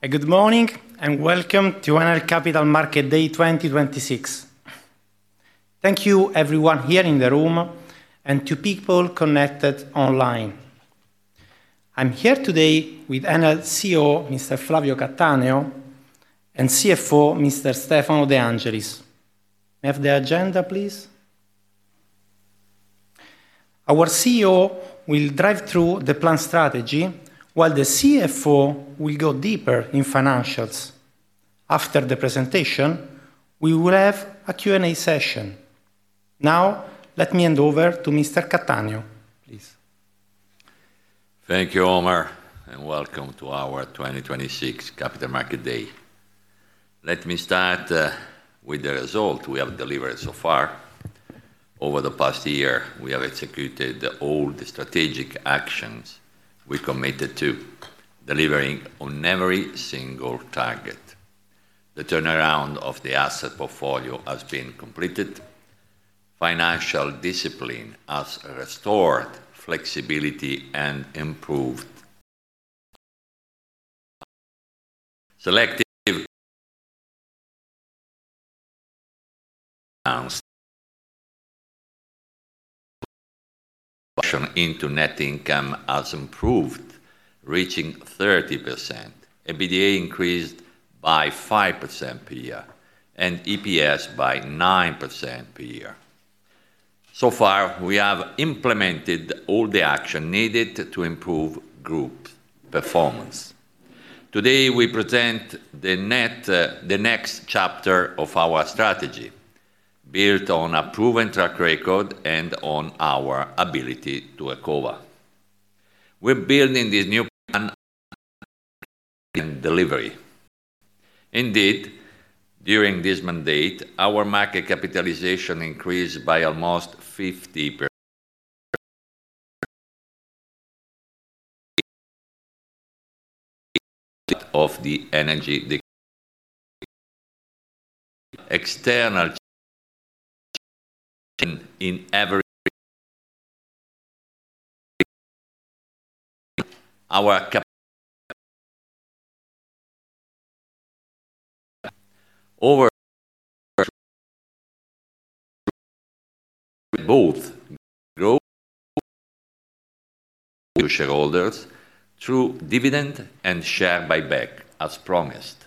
A good morning, welcome to Enel Capital Market Day 2026. Thank you everyone here in the room and to people connected online. I'm here today with Enel CEO, Mr. Flavio Cattaneo, and CFO, Mr. Stefano De Angelis. May I have the agenda, please? Our CEO will drive through the plan strategy, while the CFO will go deeper in financials. After the presentation, we will have a Q&A session. Let me hand over to Mr. Cattaneo, please. Thank you, Omar, and welcome to our 2026 Capital Market Day. Let me start with the result we have delivered so far. Over the past year, we have executed all the strategic actions we committed to, delivering on every single target. The turnaround of the asset portfolio has been completed. Financial discipline has restored flexibility and improved. into net income has improved, reaching 30%. EBITDA increased by 5% per year and EPS by 9% per year. So far, we have implemented all the action needed to improve group performance. Today, we present the next chapter of our strategy, built on a proven track record and on our ability to recover. We're building this new plan and delivery. Indeed, during this mandate, our market capitalization increased by almost 50%- of the Energy Decree. Shareholders through dividend and share buyback, as promised.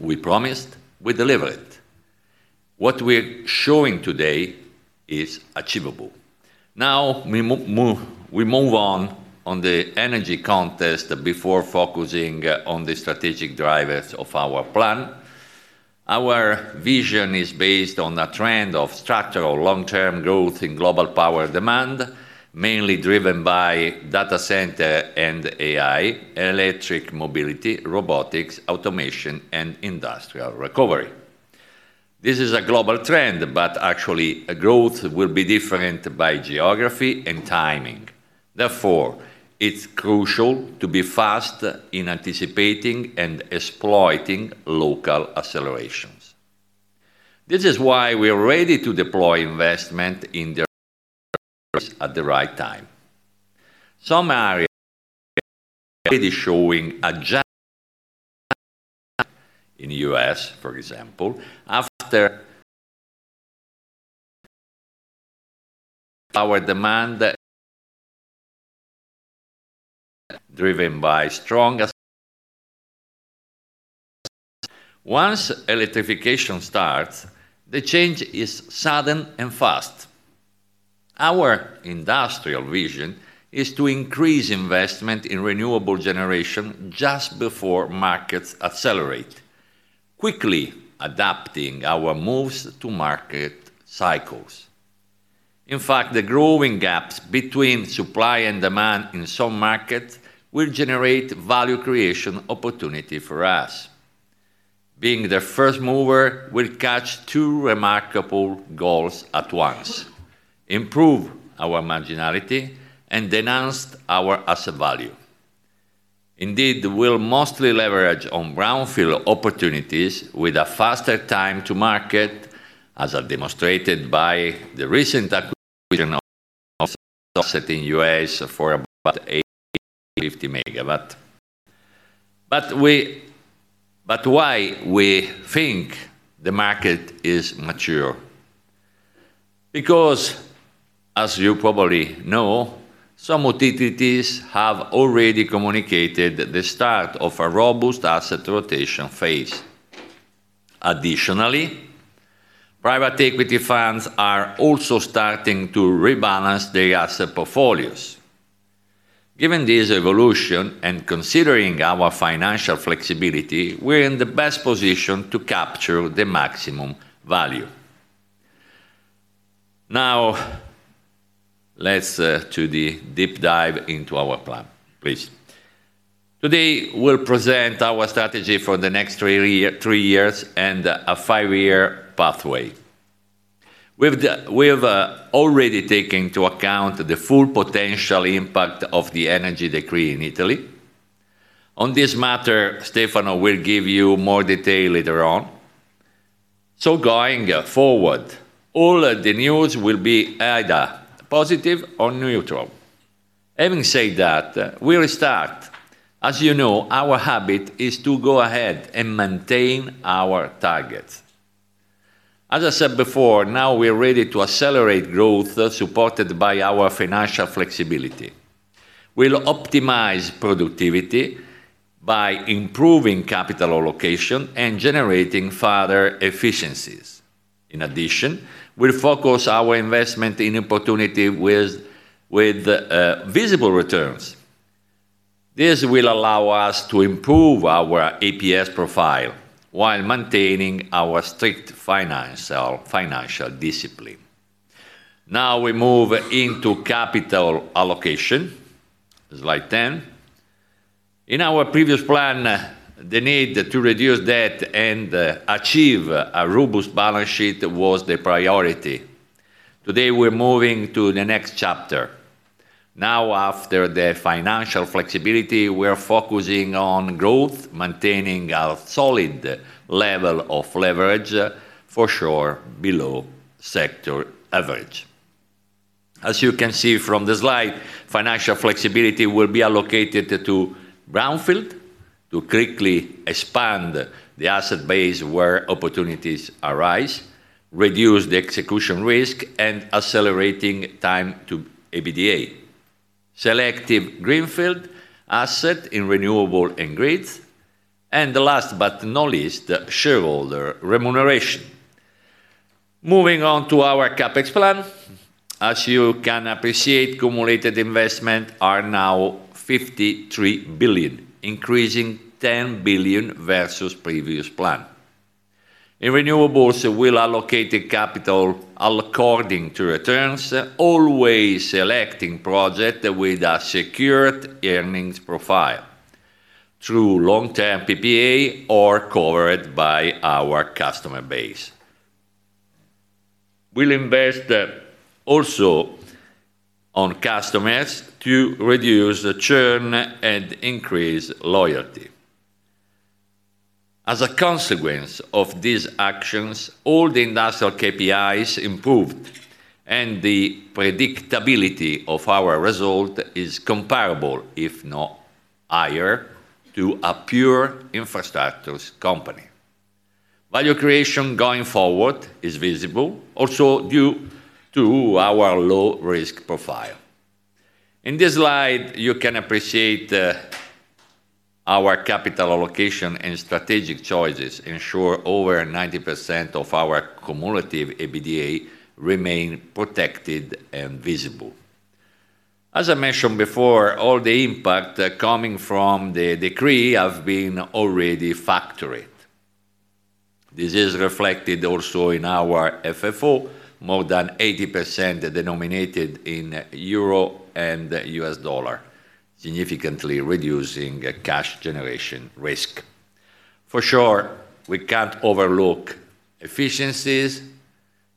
We promised, we delivered. What we're showing today is achievable. We move on on the energy contest before focusing on the strategic drivers of our plan. Our vision is based on a trend of structural long-term growth in global power demand, mainly driven by data center and AI, electric mobility, robotics, automation, and industrial recovery. This is a global trend, actually, a growth will be different by geography and timing. It's crucial to be fast in anticipating and exploiting local accelerations. This is why we are ready to deploy investment at the right time. Some areas are already showing in U.S., for example, power demand. Once electrification starts, the change is sudden and fast. Our industrial vision is to increase investment in renewable generation just before markets accelerate, quickly adapting our moves to market cycles. In fact, the growing gaps between supply and demand in some markets will generate value creation opportunity for us. Being the first mover will catch two remarkable goals at once: improve our marginality and enhance our asset value. Indeed, we'll mostly leverage on brownfield opportunities with a faster time to market, as are demonstrated by the recent acquisition of asset in U.S. for about 80, 50 MW. Why we think the market is mature? As you probably know, some utilities have already communicated the start of a robust asset rotation phase. Additionally, private equity funds are also starting to rebalance their asset portfolios. Given this evolution, and considering our financial flexibility, we're in the best position to capture the maximum value. Now, let's to the deep dive into our plan, please. Today, we'll present our strategy for the next 3 year, 3 years and a 5-year pathway. We've already taken into account the full potential impact of the Energy Decree in Italy. On this matter, Stefano will give you more detail later on. Going forward, all the news will be either positive or neutral. Having said that, we'll start. As you know, our habit is to go ahead and maintain our targets. As I said before, now we're ready to accelerate growth, supported by our financial flexibility. We'll optimize productivity by improving capital allocation and generating further efficiencies. In addition, we'll focus our investment in opportunity with visible returns. This will allow us to improve our EPS profile while maintaining our strict finance or financial discipline. Now, we move into capital allocation. Slide 10. In our previous plan, the need to reduce debt and achieve a robust balance sheet was the priority. Today, we're moving to the next chapter. Now, after the financial flexibility, we're focusing on growth, maintaining a solid level of leverage, for sure, below sector average. As you can see from the slide, financial flexibility will be allocated to brownfield to quickly expand the asset base where opportunities arise, reduce the execution risk, and accelerating time to EBITDA. Selective greenfield asset in renewable and grids, last but not least, shareholder remuneration. Moving on to our CapEx plan. As you can appreciate, cumulative investment are now 53 billion, increasing 10 billion versus previous plan. In renewables, we'll allocate the capital according to returns, always selecting project with a secured earnings profile through long-term PPA or covered by our customer base. We'll invest also on customers to reduce the churn and increase loyalty. As a consequence of these actions, all the industrial KPIs improved, the predictability of our result is comparable, if not higher, to a pure infrastructures company. Value creation going forward is visible, also due to our low risk profile. In this slide, you can appreciate our capital allocation and strategic choices ensure over 90% of our cumulative EBITDA remain protected and visible. As I mentioned before, all the impact coming from the decree have been already factoried. This is reflected also in our FFO, more than 80% denominated in euro and U.S. dollar, significantly reducing a cash generation risk. For sure, we can't overlook efficiencies.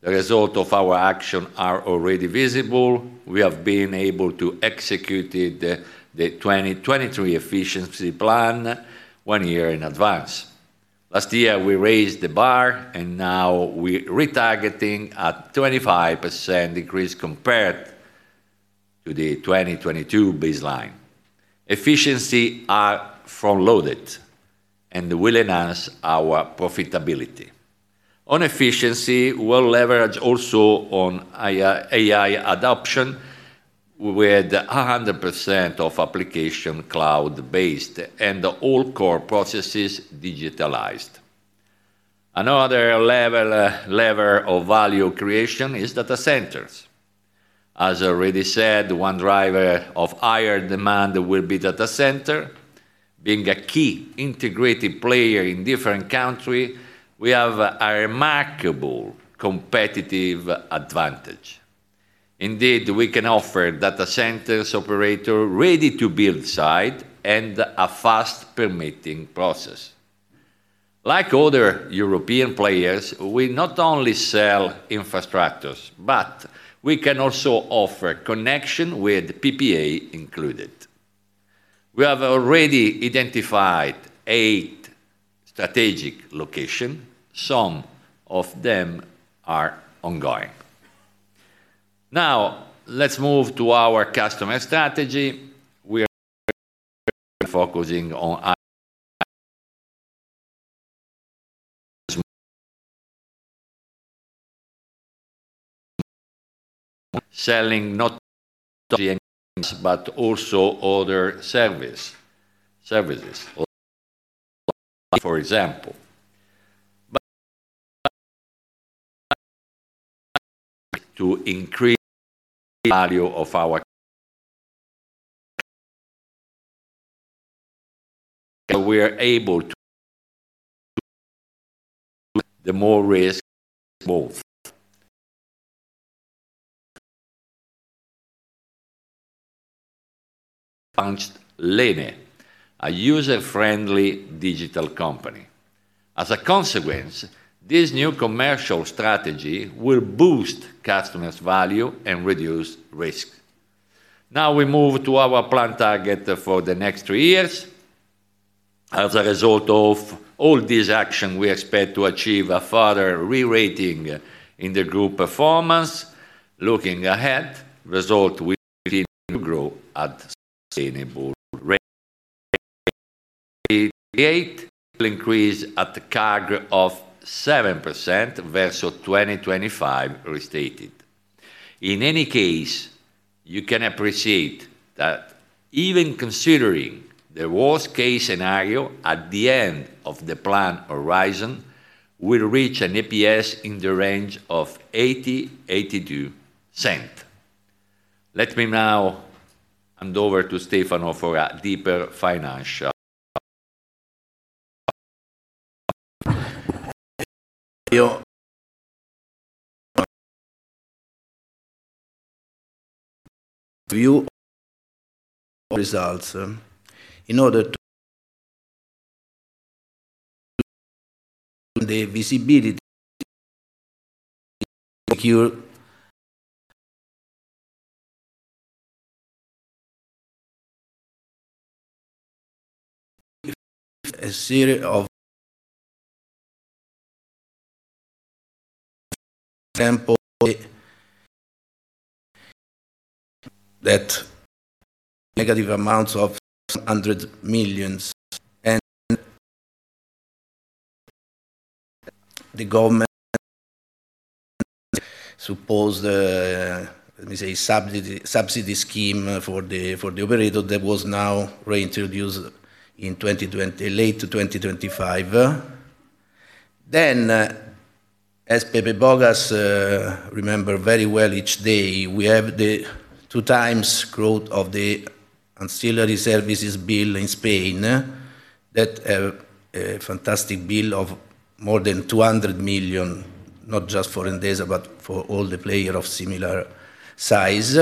The result of our action are already visible. We have been able to execute it, the 2023 efficiency plan, one year in advance. Last year, we raised the bar. Now we're retargeting a 25% increase compared to the 2022 baseline. Efficiency are front loaded and will enhance our profitability. On efficiency, we'll leverage also on AI, AI adoption, with 100% of application cloud-based and all core processes digitalized. Another level of value creation is data centers. As I already said, one driver of higher demand will be data center. Being a key integrated player in different country, we have a remarkable competitive advantage. Indeed, we can offer data centers operator ready to build site and a fast permitting process. Like other European players, we not only sell infrastructures, but we can also offer connection with PPA included. We have already identified eight strategic location. Some of them are ongoing. Now, let's move to our customer strategy. We are focusing on, selling not but also other services, for example. To increase the value of our, we are able to. The more risk involved. Launched LENE, a user-friendly digital company. As a consequence, this new commercial strategy will boost customers' value and reduce risk. Now we move to our plan target for the next three years. As a result of all this action, we expect to achieve a further re-rating in the group performance. Looking ahead, result will continue to grow at sustainable rate. The rate will increase at the CAGR of 7% versus 2025 restated. In any case, you can appreciate that even considering the worst case scenario, at the end of the plan horizon, we'll reach an EPS in the range of 0.80-0.82. Let me now hand over to Stefano for a deeper financial. View results in order to... The visibility. A series of... That negative amounts of EUR 100 million. The government suppose the, let me say, subsidy, subsidy scheme for the, for the operator that was now reintroduced in 2020. Late to 2025. As José Bogas remember very well each day, we have the 2 times growth of the ancillary services bill in Spain, that have a fantastic bill of more than 200 million, not just for Endesa, but for all the player of similar size.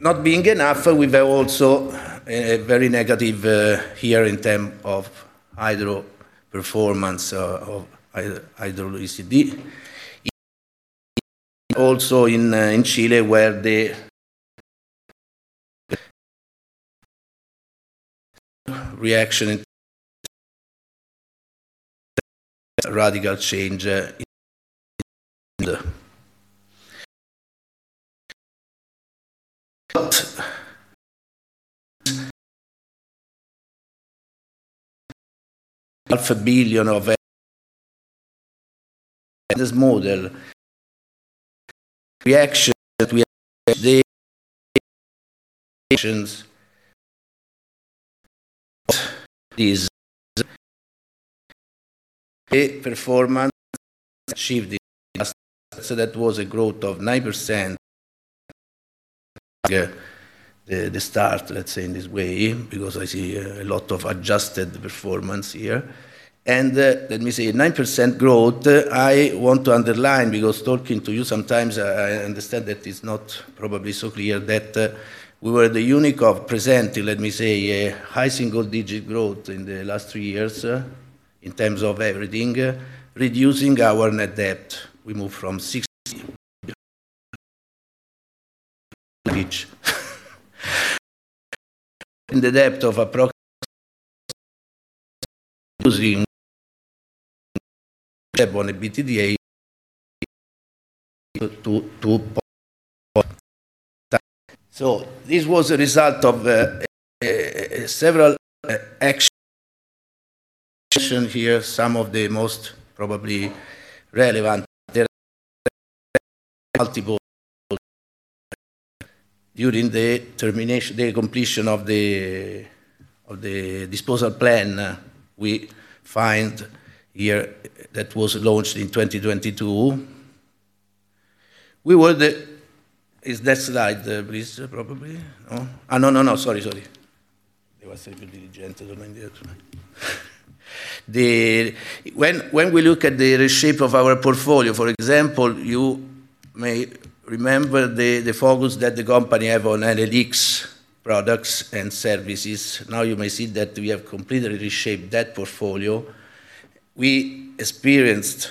Not being enough, we've also a very negative here in term of hydro performance of hydro ECD. Also in, in Chile, where the reaction, radical change in... EUR 0.5 billion of this model. Reaction that we have today, actions is a performance achieved in, so that was a growth of 9%. The start, let's say, in this way, because I see a lot of adjusted performance here. Let me say 9% growth, I want to underline, because talking to you sometimes, I understand that it's not probably so clear that we were the unique of presenting, let me say, a high single digit growth in the last 3 years in terms of everything, reducing our net debt. We moved from 60... In the depth of approx... This was a result of several action. Here, some of the most probably relevant multiple. During the termination, the completion of the disposal plan, we find here that was launched in 2022. We were the... Is that slide, please, probably? Oh, no, no, no, sorry, sorry. There was a little gentle reminder. The. When we look at the shape of our portfolio, for example, you may remember the focus that the company have on analytics, products, and services. Now, you may see that we have completely reshaped that portfolio. We experienced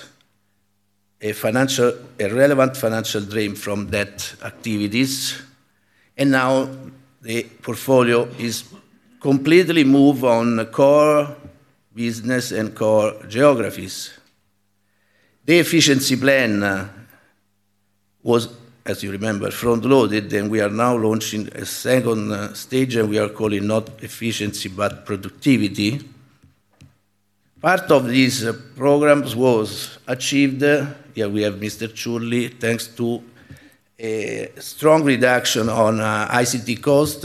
a financial, a relevant financial drain from that activities. Now, the portfolio is completely moved on core business and core geographies. The efficiency plan was, as you remember, front-loaded. We are now launching a second stage, and we are calling not efficiency, but productivity. Part of these programs was achieved. Here we have Mr. Ciurli, thanks to a strong reduction on ICT cost,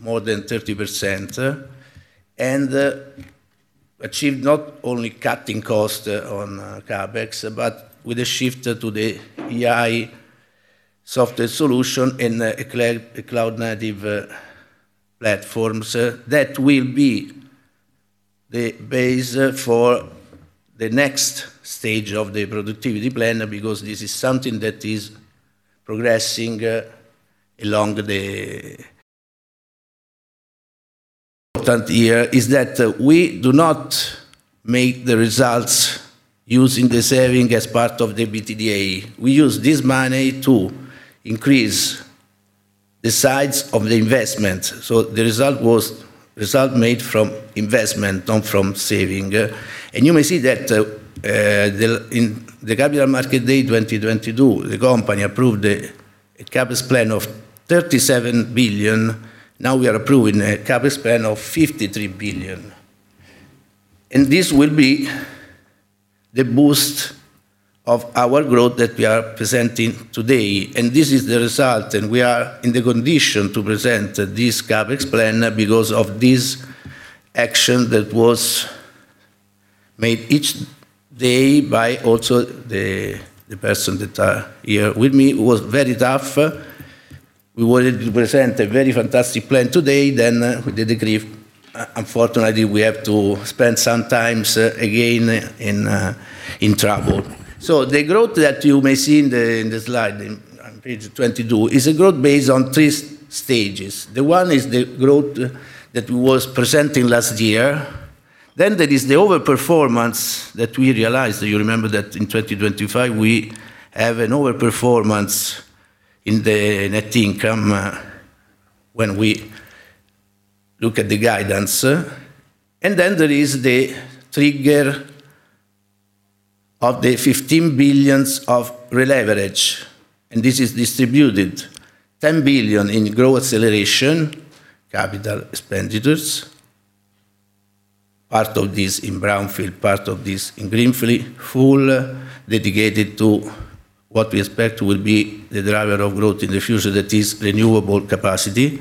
more than 30%, and achieved not only cutting cost on CapEx, but with a shift to the AI software solution in a clear cloud-native platforms. That will be the base for the next stage of the productivity plan, because this is something that is progressing. Important here is that we do not make the results using the saving as part of the EBITDA. We use this money to increase the size of the investment. The result was result made from investment, not from saving. You may see that the, in the Capital Market Day 2022, the company approved a, a CapEx plan of 37 billion. Now we are approving a CapEx plan of 53 billion, and this will be the boost of our growth that we are presenting today, and this is the result, and we are in the condition to present this CapEx plan because of this action that was made each day by also the, the person that are here with me. It was very tough. We wanted to present a very fantastic plan today, with the decree, unfortunately, we have to spend some times again in trouble. The growth that you may see in the slide, on page 22, is a growth based on three stages. The one is the growth that we was presenting last year, there is the overperformance that we realized. You remember that in 2025, we have an overperformance in the net income when we look at the guidance. There is the trigger of the 15 billion of releverage, this is distributed 10 billion in growth acceleration, capital expenditures, part of this in brownfield, part of this in greenfield, dedicated to what we expect will be the driver of growth in the future, that is renewable capacity.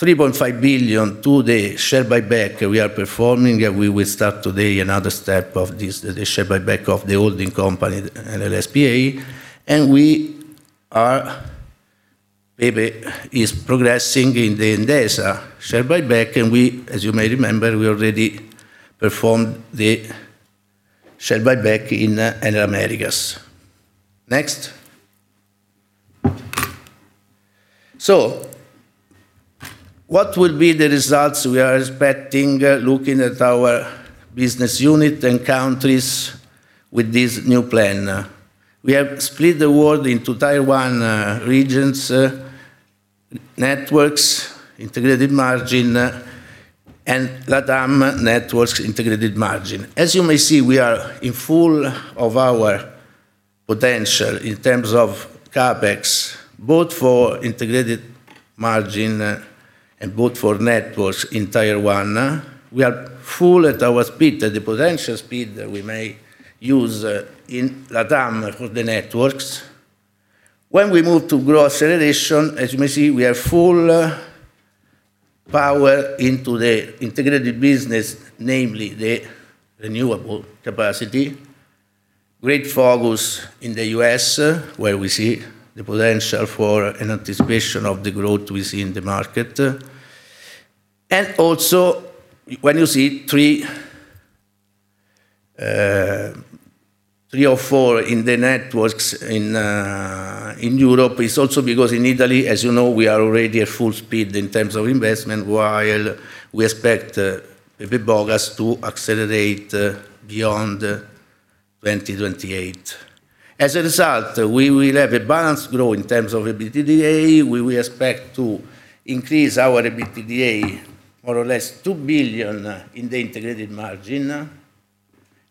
3.5 billion to the share buyback we are performing, and we will start today another step of this, the share buyback of the holding company, Enel S.p.A. We are maybe is progressing in the Endesa share buyback, and we, as you may remember, already performed the share buyback in Enel Americas. Next. What will be the results we are expecting, looking at our business unit and countries with this new plan? We have split the world into Tier 1 regions, networks, integrated margin, and LATAM networks integrated margin. As you may see, we are in full of our potential in terms of CapEx, both for integrated margin, and both for networks in Tier 1. We are full at our speed, at the potential speed that we may use, in LATAM for the networks. When we move to growth acceleration, as you may see, we are full power into the integrated business, namely the renewable capacity. Great focus in the U.S., where we see the potential for an anticipation of the growth we see in the market. Also, when you see three or four in the networks in Europe, it's also because in Italy, as you know, we are already at full speed in terms of investment, while we expect the Bogas to accelerate beyond 2028. As a result, we will have a balanced growth in terms of EBITDA. We will expect to increase our EBITDA more or less 2 billion in the integrated margin,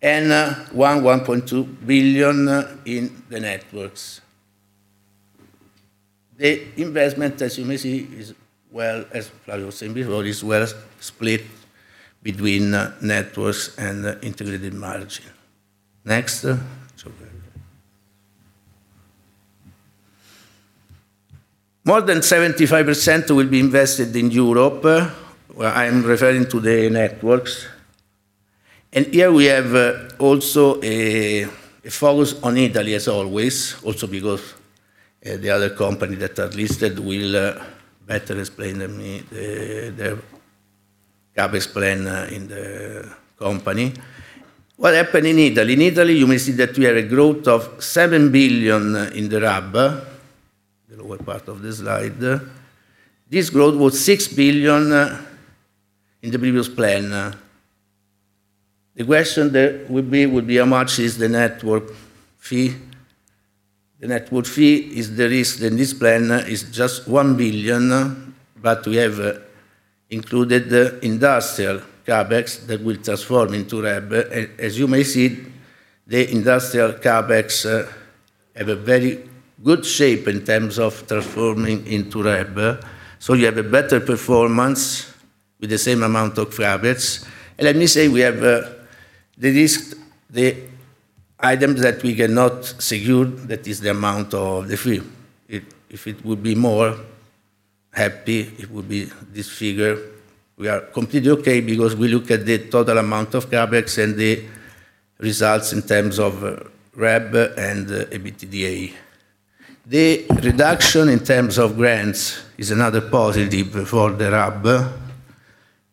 and 1.2 billion in the networks. The investment, as you may see, is well, as Flavio was saying before, is well split between networks and integrated margin. Next. More than 75% will be invested in Europe, where I am referring to the networks. Here we have also a focus on Italy, as always, also because the other company that are listed will better explain than me the CapEx plan in the company. What happened in Italy? In Italy, you may see that we had a growth of 7 billion in the RAB, the lower part of the slide. This growth was 6 billion in the previous plan. The question there would be, would be, how much is the network fee? The network fee is the risk, in this plan is just 1 billion. We have included the industrial CapEx that will transform into RAB. As you may see, the industrial CapEx have a very good shape in terms of transforming into RAB, you have a better performance with the same amount of CapEx. Let me say, we have the risk, the items that we cannot secure, that is the amount of the fee. If, if it would be more, happy, it would be this figure. We are completely okay because we look at the total amount of CapEx and the results in terms of RAB and EBITDA. The reduction in terms of grants is another positive for the RAB.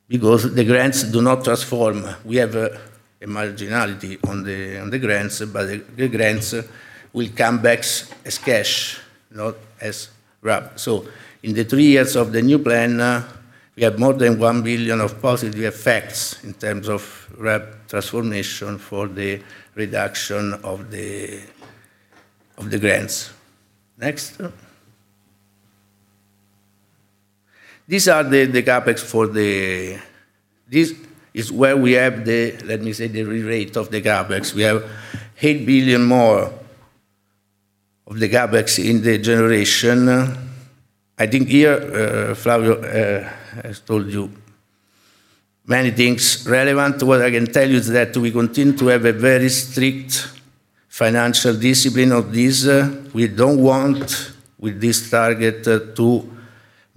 Because the grants do not transform. We have a marginality on the, on the grants, the, the grants will come back as cash, not as RAB. In the three years of the new plan, we have more than 1 billion of positive effects in terms of RAB transformation for the reduction of the, of the grants. Next. These are the, the CapEx. This is where we have the, let me say, the re-rate of the CapEx. We have 8 billion more of the CapEx in the generation. I think here, Flavio has told you many things relevant. What I can tell you is that we continue to have a very strict financial discipline of this. We don't want, with this target, to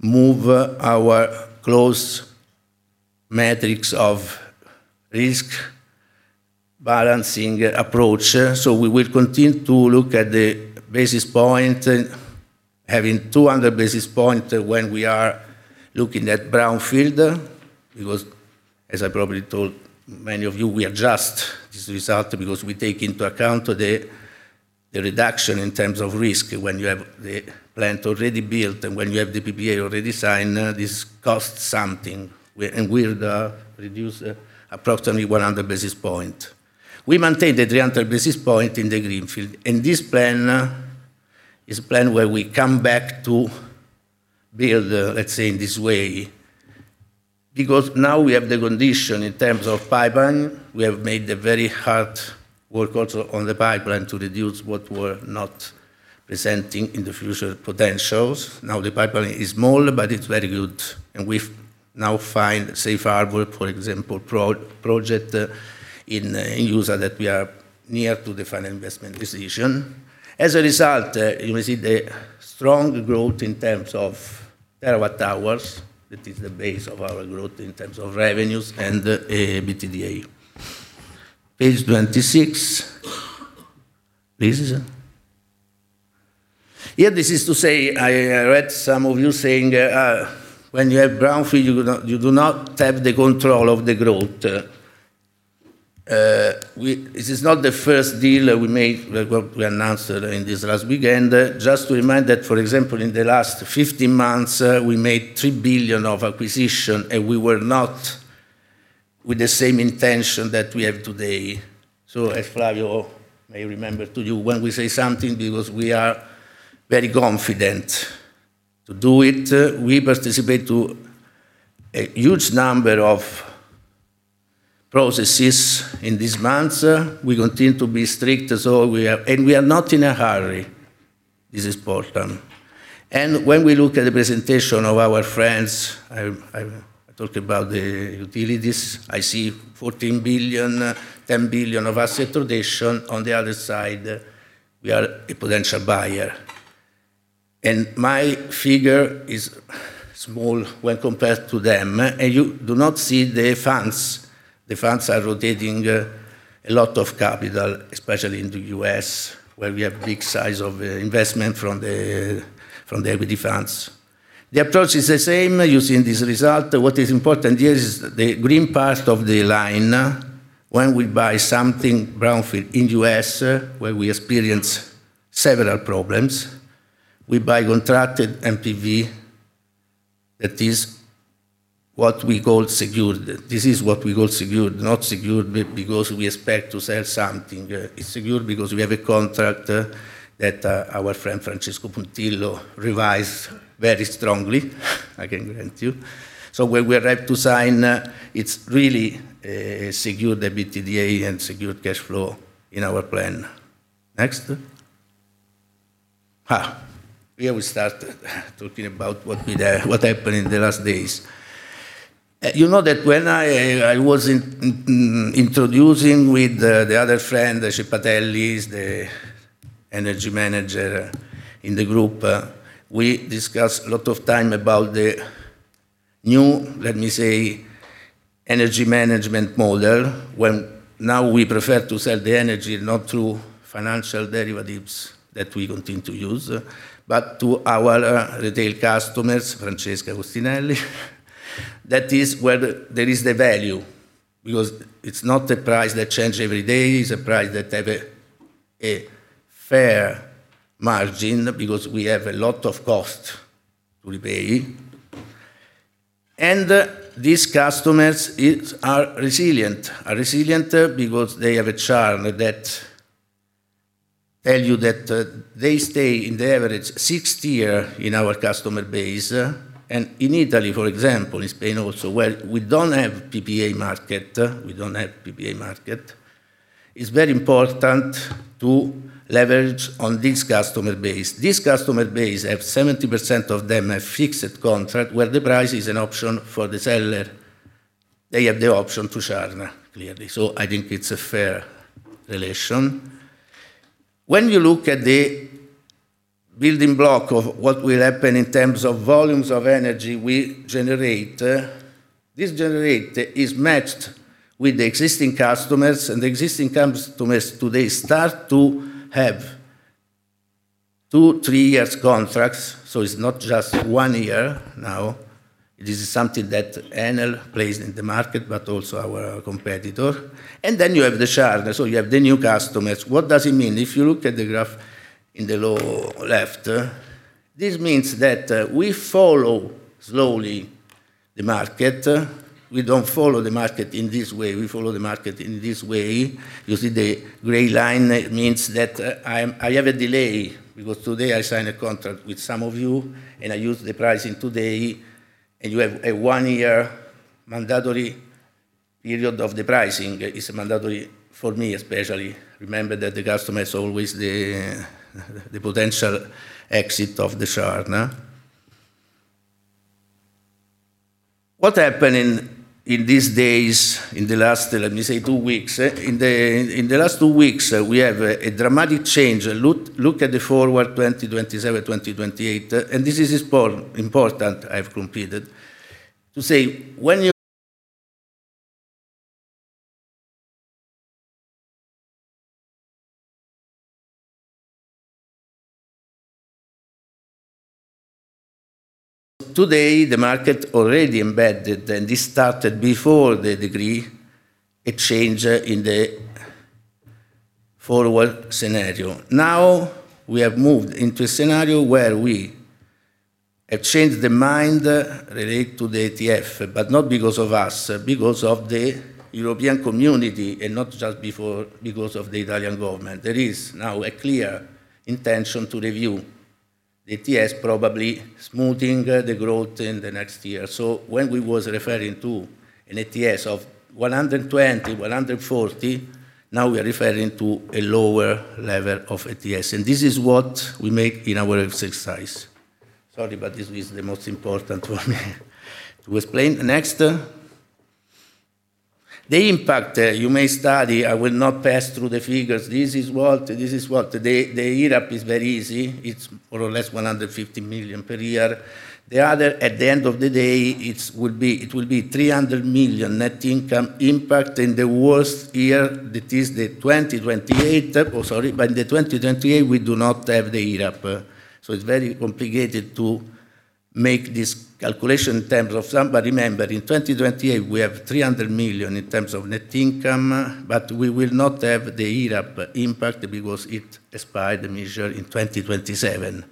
move our close metrics of risk balancing approach. We will continue to look at the basis point, having 200 basis points when we are looking at brownfield, because as I probably told many of you, we adjust this result because we take into account the reduction in terms of risk when you have the plant already built and when you have the PPA already signed, this costs something, we and will reduce approximately 100 basis points. We maintain the 300 basis points in the greenfield. This plan is a plan where we come back to build, let's say, in this way, because now we have the condition in terms of pipeline. We have made a very hard work also on the pipeline to reduce what we're not presenting in the future potentials. Now, the pipeline is small, but it's very good, and we've now find Safe Harbor, for example, project in USA that we are near to the final investment decision. As a result, you will see the strong growth in terms of terawatt-hours. That is the base of our growth in terms of revenues and EBITDA. Page 26. Please. Here, this is to say, I, I read some of you saying, "When you have brownfield, you do not have the control of the growth." This is not the first deal we made, well, we announced in this last weekend. Just to remind that, for example, in the last 15 months, we made 3 billion of acquisition, and we were not with the same intention that we have today. As Flavio may remember to you, when we say something, because we are very confident to do it, we participate to a huge number of processes in these months. We continue to be strict as all we are, and we are not in a hurry. This is important. When we look at the presentation of our friends, I talked about the utilities. I see 14 billion, 10 billion of asset rotation. On the other side, we are a potential buyer. My figure is small when compared to them, and you do not see the funds. The funds are rotating a lot of capital, especially in the U.S., where we have big size of investment from the equity funds. The approach is the same, you see in this result. What is important here is the green part of the line. When we buy something brownfield in U.S., where we experience several problems, we buy contracted NPV. That is what we call secured. This is what we call secured. Not secured because we expect to sell something, it's secured because we have a contract that our friend, Francesco Puntillo, revised very strongly, I can guarantee you. When we arrive to sign, it's really a secured EBITDA and secured cash flow in our plan. Next. Ha! Here we start talking about what we did what happened in the last days. You know that when I was introducing with the other friend, Ceppatelli, the energy manager in the group, we discussed a lot of time about the new, let me say, energy management model. When now we prefer to sell the energy, not through financial derivatives that we continue to use, but to our retail customers, Francesca Gostinelli. That is where there is the value, because it's not the price that change every day, it's a price that have a fair margin because we have a lot of cost to repay. These customers are resilient. Are resilient because they have a chart that tell you that they stay in the average 60 year in our customer base. In Italy, for example, in Spain also, well, we don't have PPA market. We don't have PPA market. It's very important to leverage on this customer base. This customer base, 70% of them have fixed contract, where the price is an option for the seller. They have the option to charge now, clearly, so I think it's a fair relation. When you look at the building block of what will happen in terms of volumes of energy we generate, this generate is matched with the existing customers, and the existing customers today start to have two, three years contracts, so it's not just one year now. This is something that Enel plays in the market, but also our competitor. Then you have the charter, so you have the new customers. What does it mean? If you look at the graph in the lower left, this means that we follow slowly the market. We don't follow the market in this way, we follow the market in this way. You see the gray line, it means that I have a delay because today I signed a contract with some of you, and I use the pricing today, and you have a 1-year mandatory period of the pricing. It's mandatory for me, especially. Remember that the customer is always the, the potential exit of the charter, huh? What happened in, in these days, in the last, let me say, 2 weeks? In the, in the last 2 weeks, we have a, a dramatic change. Look, look at the forward 2027, 2028, and this is important, I've completed. To say, when you Today, the market already embedded, and this started before the decree, a change in the forward scenario. We have moved into a scenario where we have changed the mind relate to the ETF, not because of us, because of the European community, not just before, because of the Italian government. There is now a clear intention to review the ETS, probably smoothing the growth in the next year. When we was referring to an ETS of 120, 140, now we are referring to a lower level of ETS, this is what we make in our exercise. Sorry, this is the most important for me to explain. Next. The impact you may study, I will not pass through the figures. This is what the IRAP is very easy. It's more or less 150 million per year. The other, at the end of the day, it's will be, it will be 300 million net income impact in the worst year, that is the 2028. Oh, sorry, in the 2028, we do not have the IRAP, it's very complicated to make this calculation in terms of some. Remember, in 2028, we have 300 million in terms of net income, but we will not have the IRAP impact because it expired the measure in 2027.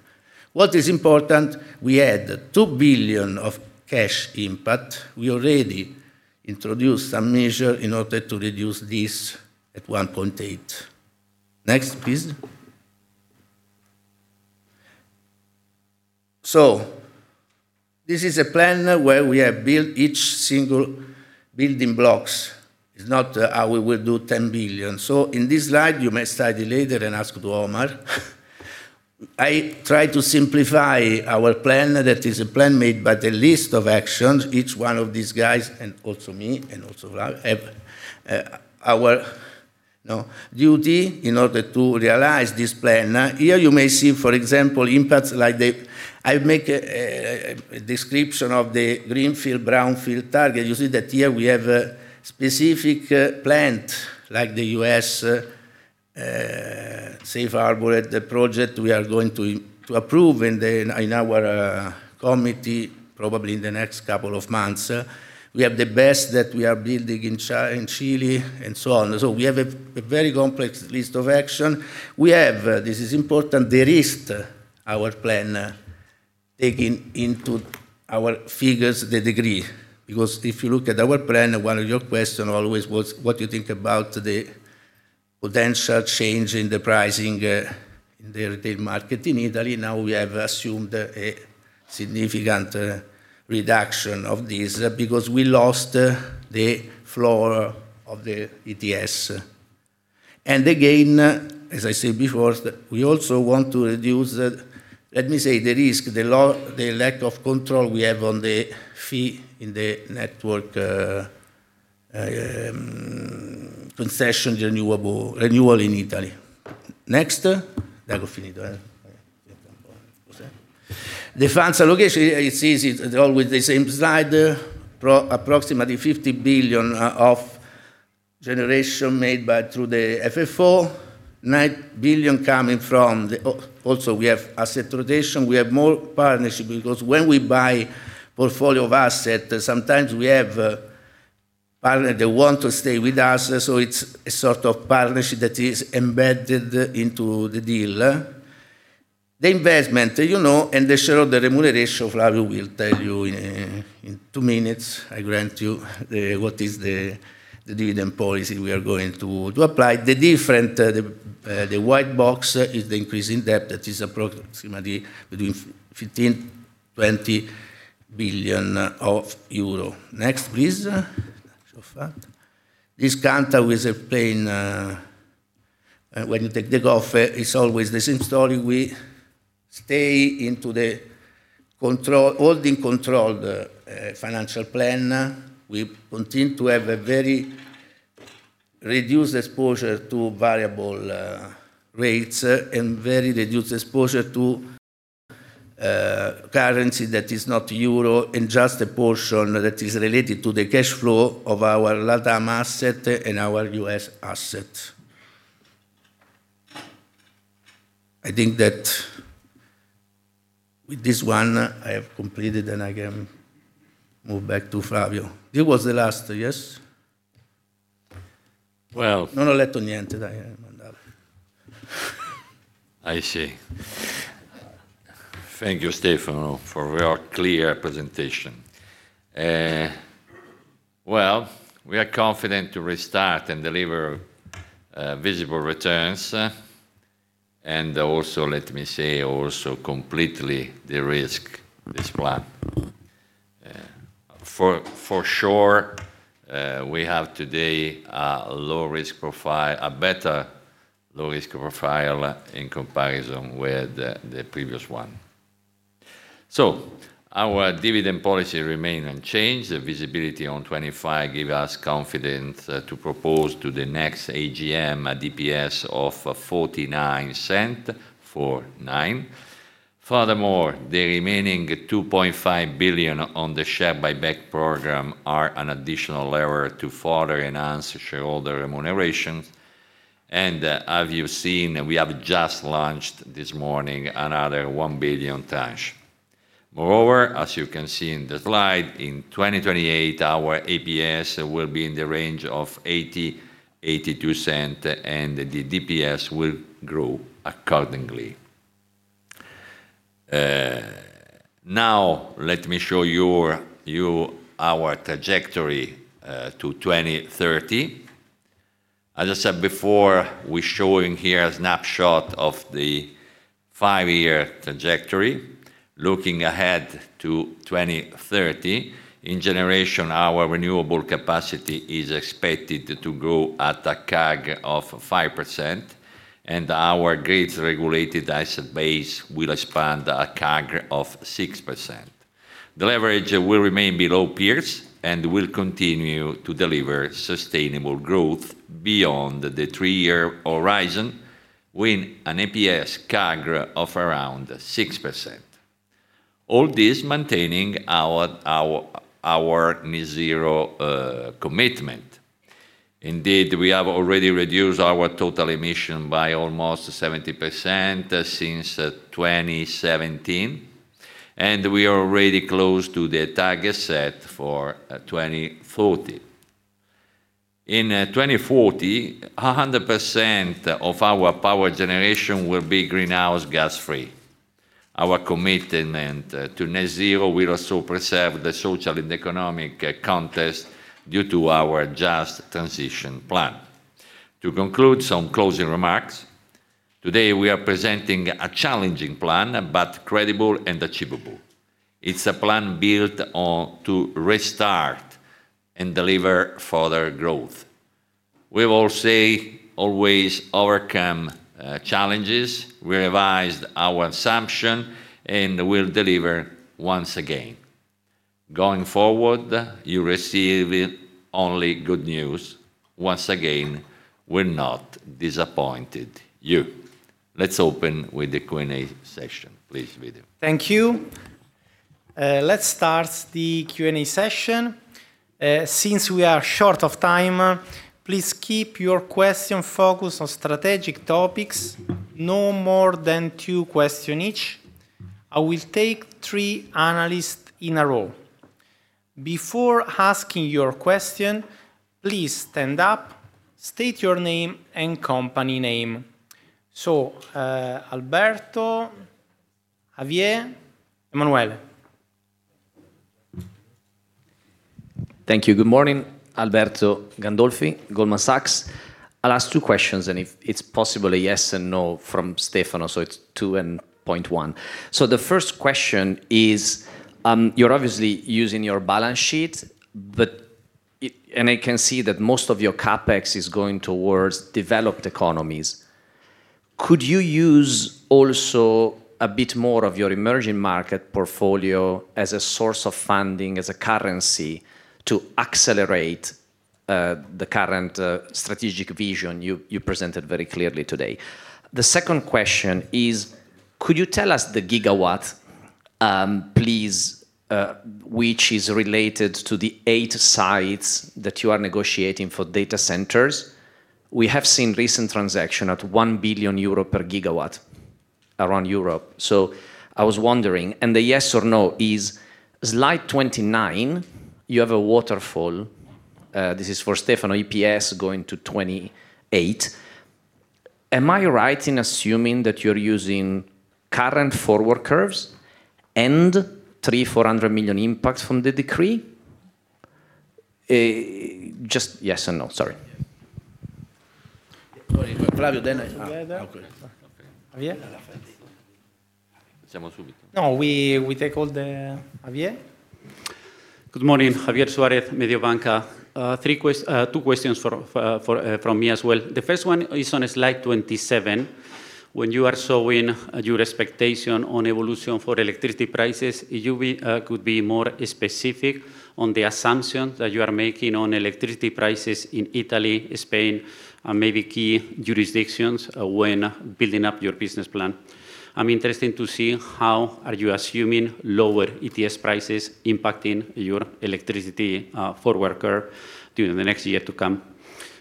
What is important, we had 2 billion of cash impact. We already introduced some measure in order to reduce this at 1.8 billion. Next, please. This is a plan where we have built each single building blocks. It's not how we will do 10 billion. In this slide, you may study later and ask to Omar. I try to simplify our plan. That is a plan made by the list of actions, each one of these guys, and also me, and also have, our, you know, duty in order to realize this plan. Here you may see, for example, impacts. I make a description of the greenfield, brownfield target. You see that here we have a specific plant, like the U.S. Safe Harbor, the project we are going to approve in our committee, probably in the next 2 months. We have the BESS that we are building in Chile, and so on. We have a very complex list of action. We have, this is important, the risk, our plan, taking into our figures, the degree. Because if you look at our plan, one of your question always was: What do you think about the potential change in the pricing in the retail market in Italy? Now, we have assumed a significant reduction of this, because we lost the floor of the ETS. Again, as I said before, we also want to reduce, let me say, the risk, the lack of control we have on the fee in the network, concession, renewal in Italy. Next. The funds allocation, it's easy. It's always the same slide. Approximately 50 billion of generation made by through the FFO. 9 billion coming from also, we have asset rotation. We have more partnership, because when we buy portfolio of assets, sometimes we have partner that want to stay with us, so it's a sort of partnership that is embedded into the deal. The investment, you know, and the share of the remuneration, Flavio will tell you in 2 minutes, I grant you, what is the dividend policy we are going to apply. The different white box is the increase in debt that is approximately between 15 billion-20 billion euro. Next, please. So far, this counter is a plane, when you take the golf, it's always the same story. We stay into the control, holding control, financial plan. We continue to have a very reduced exposure to variable rates and very reduced exposure to currency that is not euro, and just a portion that is related to the cash flow of our LATAM asset and our U.S. asset. I think that with this one, I have completed, and I can move back to Fabio. It was the last, yes? Well- Non ho letto niente, dai, I see. Thank you, Stefano, for your clear presentation. Well, we are confident to restart and deliver visible returns, and also let me say also completely de-risk this plan. For, for sure, we have today a low-risk profile, a better low-risk profile in comparison with the, the previous one. Our dividend policy remain unchanged. The visibility on 25 give us confidence to propose to the next AGM a DPS of 0.49, four nine. Furthermore, the remaining 2.5 billion on the share buyback program are an additional lever to further enhance shareholder remuneration. As you've seen, we have just launched this morning another 1 billion tranche. Moreover, as you can see in the slide, in 2028, our EPS will be in the range of 0.80-0.82, and the DPS will grow accordingly. Now let me show you our trajectory to 2030. As I said before, we're showing here a snapshot of the 5-year trajectory. Looking ahead to 2030, in generation, our renewable capacity is expected to grow at a CAGR of 5%, and our grids regulated asset base will expand a CAGR of 6%. The leverage will remain below peers and will continue to deliver sustainable growth beyond the 3-year horizon, with an EPS CAGR of around 6%. All this maintaining our net zero commitment. Indeed, we have already reduced our total emission by almost 70% since 2017, and we are already close to the target set for 2040. In 2040, 100% of our power generation will be greenhouse gas free. Our commitment to net zero will also preserve the social and economic context due to our just transition plan. To conclude, some closing remarks. Today, we are presenting a challenging plan, credible and achievable. It's a plan built on to restart and deliver further growth. We will say always overcome challenges. We revised our assumption, we'll deliver once again. Going forward, you receive it only good news. Once again, we're not disappointed you. Let's open with the Q&A session. Please, video. Thank you. Let's start the Q&A session. Since we are short of time, please keep your question focused on strategic topics, no more than two question each. I will take three analysts in a row. Before asking your question, please stand up, state your name and company name. So, Alberto, Javier, Emanuele. Thank you. Good morning, Alberto Gandolfi, Goldman Sachs. I'll ask two questions. If it's possible, a yes and no from Stefano, so it's 2.1. The first question is, you're obviously using your balance sheet. I can see that most of your CapEx is going towards developed economies. Could you use also a bit more of your emerging market portfolio as a source of funding, as a currency, to accelerate the current strategic vision you presented very clearly today? The second question is, could you tell us the gigawatt which is related to the 8 sites that you are negotiating for data centers? We have seen recent transaction at 1 billion euro per gigawatt around Europe. I was wondering. The yes or no is, slide 29, you have a waterfall. This is for Stefano, EPS going to 28. Am I right in assuming that you're using current forward curves and 300 million-400 million impacts from the Decree? Just yes and no. Sorry. Sorry, Fabio, then... Okay. Okay. Javier? No, we, we take all the... Javier? Good morning, Javier Suárez, Mediobanca. Two questions for, for, from me as well. The first one is on slide 27. When you are showing your expectation on evolution for electricity prices, you could be more specific on the assumptions that you are making on electricity prices in Italy, Spain, and maybe key jurisdictions when building up your business plan? I'm interested to see how are you assuming lower ETS prices impacting your electricity for worker during the next year to come.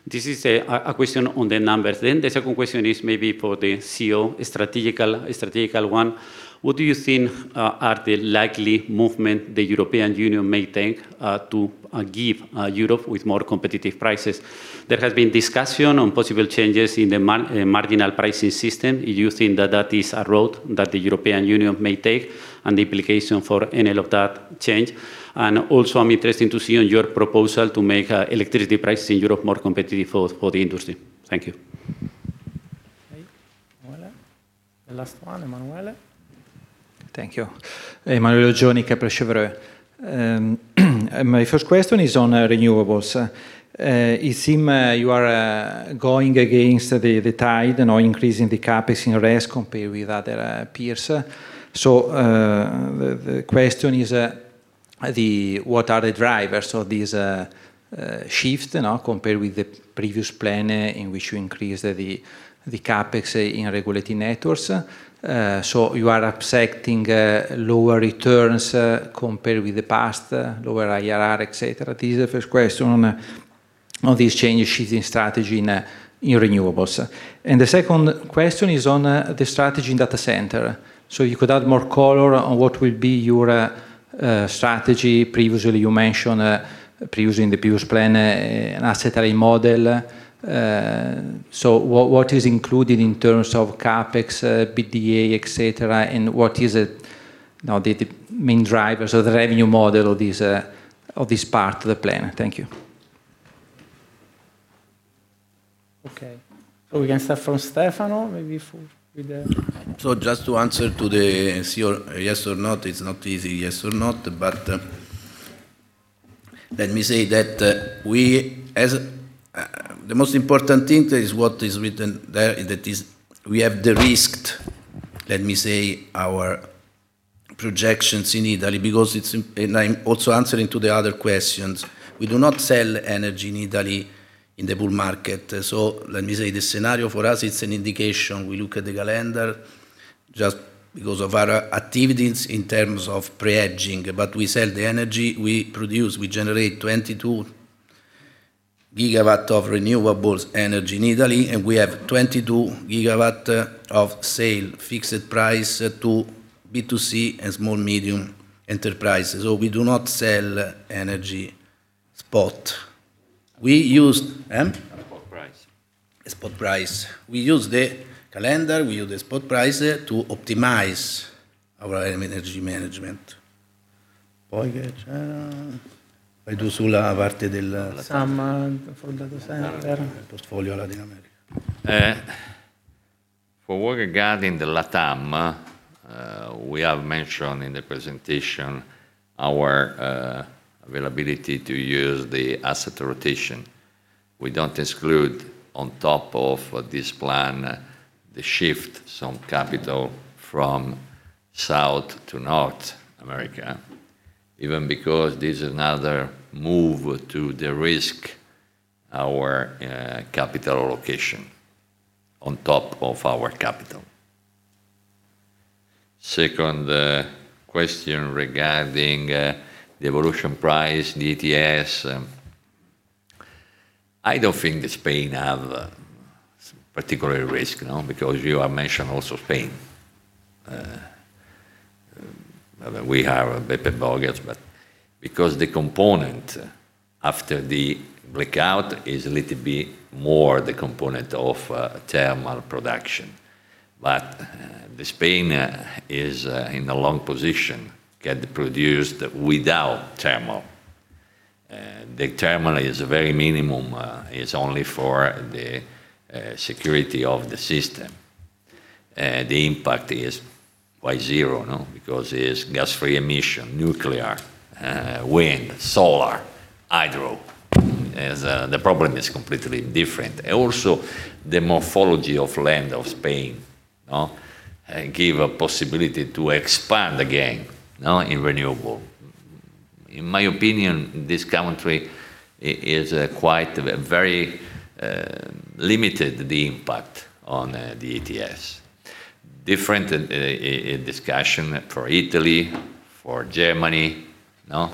This is a, a, a question on the numbers. The second question is maybe for the CEO, a strategical, a strategical one. What do you think are the likely movement the European Union may take to give Europe with more competitive prices? There has been discussion on possible changes in the marginal pricing system. Do you think that that is a road that the European Union may take, and the implication for Enel of that change? Also, I'm interesting to see on your proposal to make electricity prices in Europe more competitive for, for the industry. Thank you. Okay. Well, the last one, Emanuele. Thank you. Emanuele Oggioni, Kepler Cheuvreux. My first question is on renewables. It seem you are going against the tide, not increasing the CapEx in risk compared with other peers. The question is, the what are the drivers of these shift, you know, compared with the previous plan in which you increase the CapEx in regulating networks? So you are accepting lower returns, compared with the past, lower IRR, et cetera? This is the first question on, on these changes in strategy in renewables. The second question is on the strategy in data center. You could add more color on what will be your strategy. Previously, you mentioned, previously in the previous plan, an asset model. What, what is included in terms of CapEx, PDA, et cetera, and what is it, you know, the, the main drivers of the revenue model of this part of the plan? Thank you. Okay, we can start from Stefano. Just to answer to the yes or not, it's not easy, yes or not. Let me say that we as... The most important thing is what is written there, that is, we have de-risked, let me say, our projections in Italy, because it's and I'm also answering to the other questions. We do not sell energy in Italy, in the pool market. Let me say, the scenario for us, it's an indication. We look at the calendar just because of our activities in terms of pre-hedging, but we sell the energy we produce. We generate 22 GW of renewables energy in Italy, and we have 22 GW of sale, fixed price to B2C and small medium enterprises. We do not sell energy spot. We use, eh? Spot price. Spot price. We use the calendar, we use the spot price to optimize our energy management. Some, for data center. For what regarding the LATAM, we have mentioned in the presentation our availability to use the asset rotation. We don't exclude, on top of this plan, the shift some capital from South America to North America, even because this is another move to de-risk our capital allocation on top of our capital. Second, question regarding the evolution price, the ETS. I don't think that Spain have particular risk, no? You have mentioned also Spain. We have a bit involved, because the component after the breakout is a little bit more the component of thermal production. The Spain is in a long position, get produced without thermal. The thermal is a very minimum, it's only for the security of the system. The impact is quite 0, no? Because it's gas-free emission, nuclear, wind, solar, hydro. As the problem is completely different. Also, the morphology of land of Spain give a possibility to expand again in renewable. In my opinion, this country is quite very limited, the impact on the ETS. Different discussion for Italy, for Germany, no?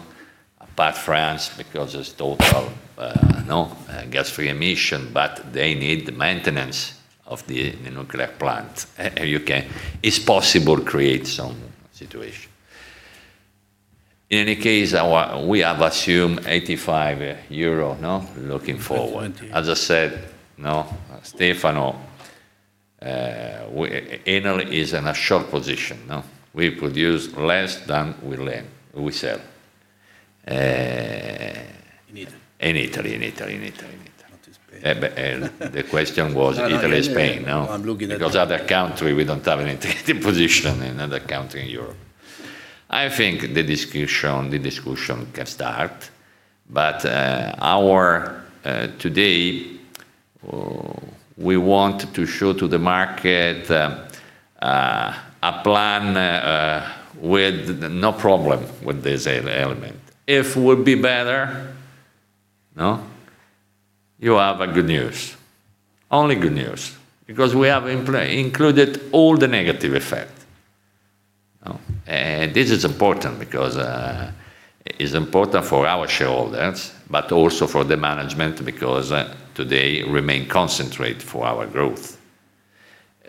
Apart France, because it's total, no gas-free emission, but they need the maintenance of the nuclear plant. U.K. is possible create some situation. In any case, we have assumed 85 euro, no, looking forward. Twenty. As I said, no, Stefano, Enel is in a short position, no? We produce less than we sell. In Italy. In Italy, in Italy, in Italy. Not in Spain. The question was Italy, Spain, no? I'm looking at that. Other country, we don't have any position in other country in Europe. I think the discussion, the discussion can start. Our today, we want to show to the market a plan with no problem with this element. If would be better, no, you have good news. Only good news, because we have included all the negative effect. This is important because it's important for our shareholders, but also for the management, because today remain concentrate for our growth.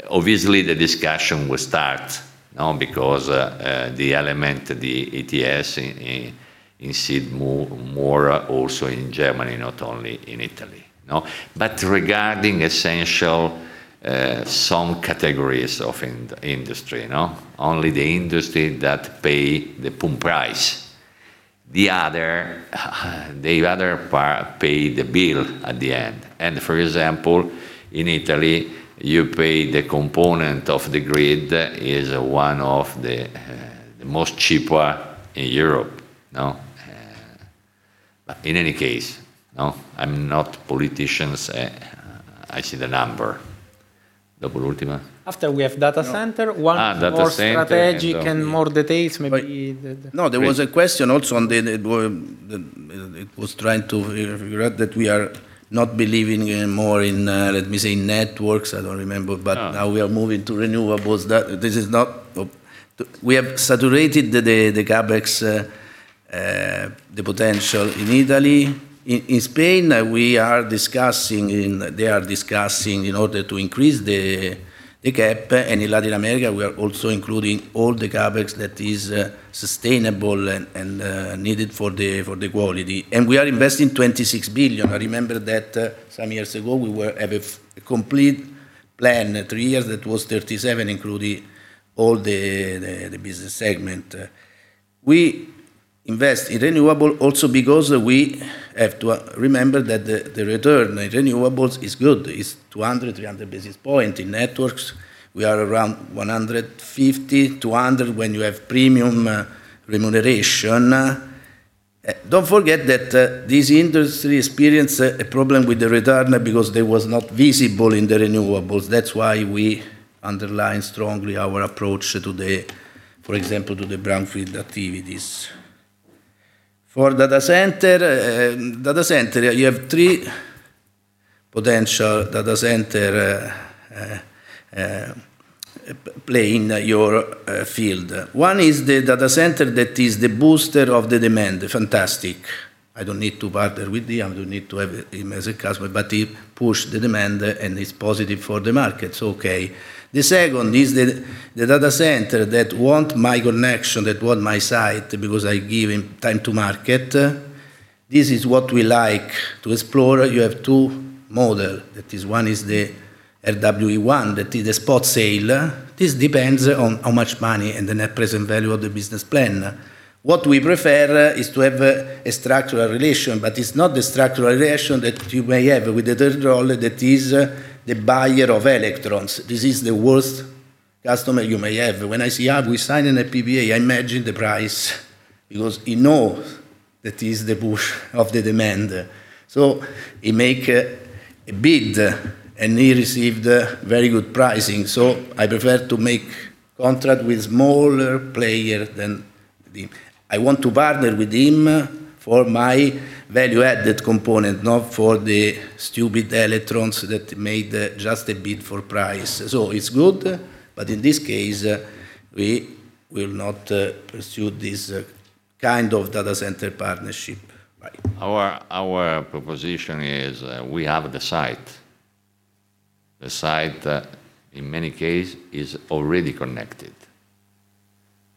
Obviously, the discussion will start, no? The element, the ETS, in, in, in see more, more also in Germany, not only in Italy, no? Regarding essential, some categories of industry, no? Only the industry that pay the pump price. The other, the other part pay the bill at the end. For example, in Italy, you pay the component of the grid is one of the, the most cheaper in Europe, no. In any case, no, I'm not politicians, I see the number. After we have data center- Data center. -one more strategic and more details, maybe the, the- No, there was a question also on the, the, the, it was trying to regret that we are not believing in more in, let me say, networks, I don't remember. Ah. Now we are moving to renewables. We have saturated the CapEx, the potential in Italy. In Spain, we are discussing, they are discussing in order to increase the Cap, and in Latin America, we are also including all the CapEx that is sustainable and needed for the quality. We are investing 26 billion. I remember that some years ago, we were at a complete plan, 3 years, that was 37 billion, including all the business segment. We invest in renewable also because we have to remember that the return in renewables is good. It's 200-300 basis points. In networks, we are around 150-200, when you have premium remuneration. Don't forget that this industry experienced a problem with the return because they was not visible in the renewables. That's why we underline strongly our approach to the, for example, to the brownfield activities. For data center, data center, you have 3 potential data center play in your field. 1 is the data center that is the booster of the demand, fantastic. I don't need to partner with him, I don't need to have him as a customer, he push the demand, it's positive for the market, okay. The 2nd is the data center that want my connection, that want my site, because I give him time to market. This is what we like to explore. You have 2 model. That is, 1 is the LWE 1, that is the spot sale. This depends on how much money and the Net Present Value of the business plan. What we prefer is to have a structural relation, but it's not the structural relation that you may have with the third role, that is the buyer of electrons. This is the worst customer you may have. When I see, "Ah, we signed an PPA," I imagine the price, because he know that is the push of the demand. He make a bid, and he received a very good pricing. I prefer to make contract with smaller player than the... I want to partner with him for my value-added component, not for the stupid electrons that made just a bid for price. It's good, but in this case, we will not pursue this kind of data center partnership. Right. Our, our proposition is, we have the site. The site, in many case, is already connected.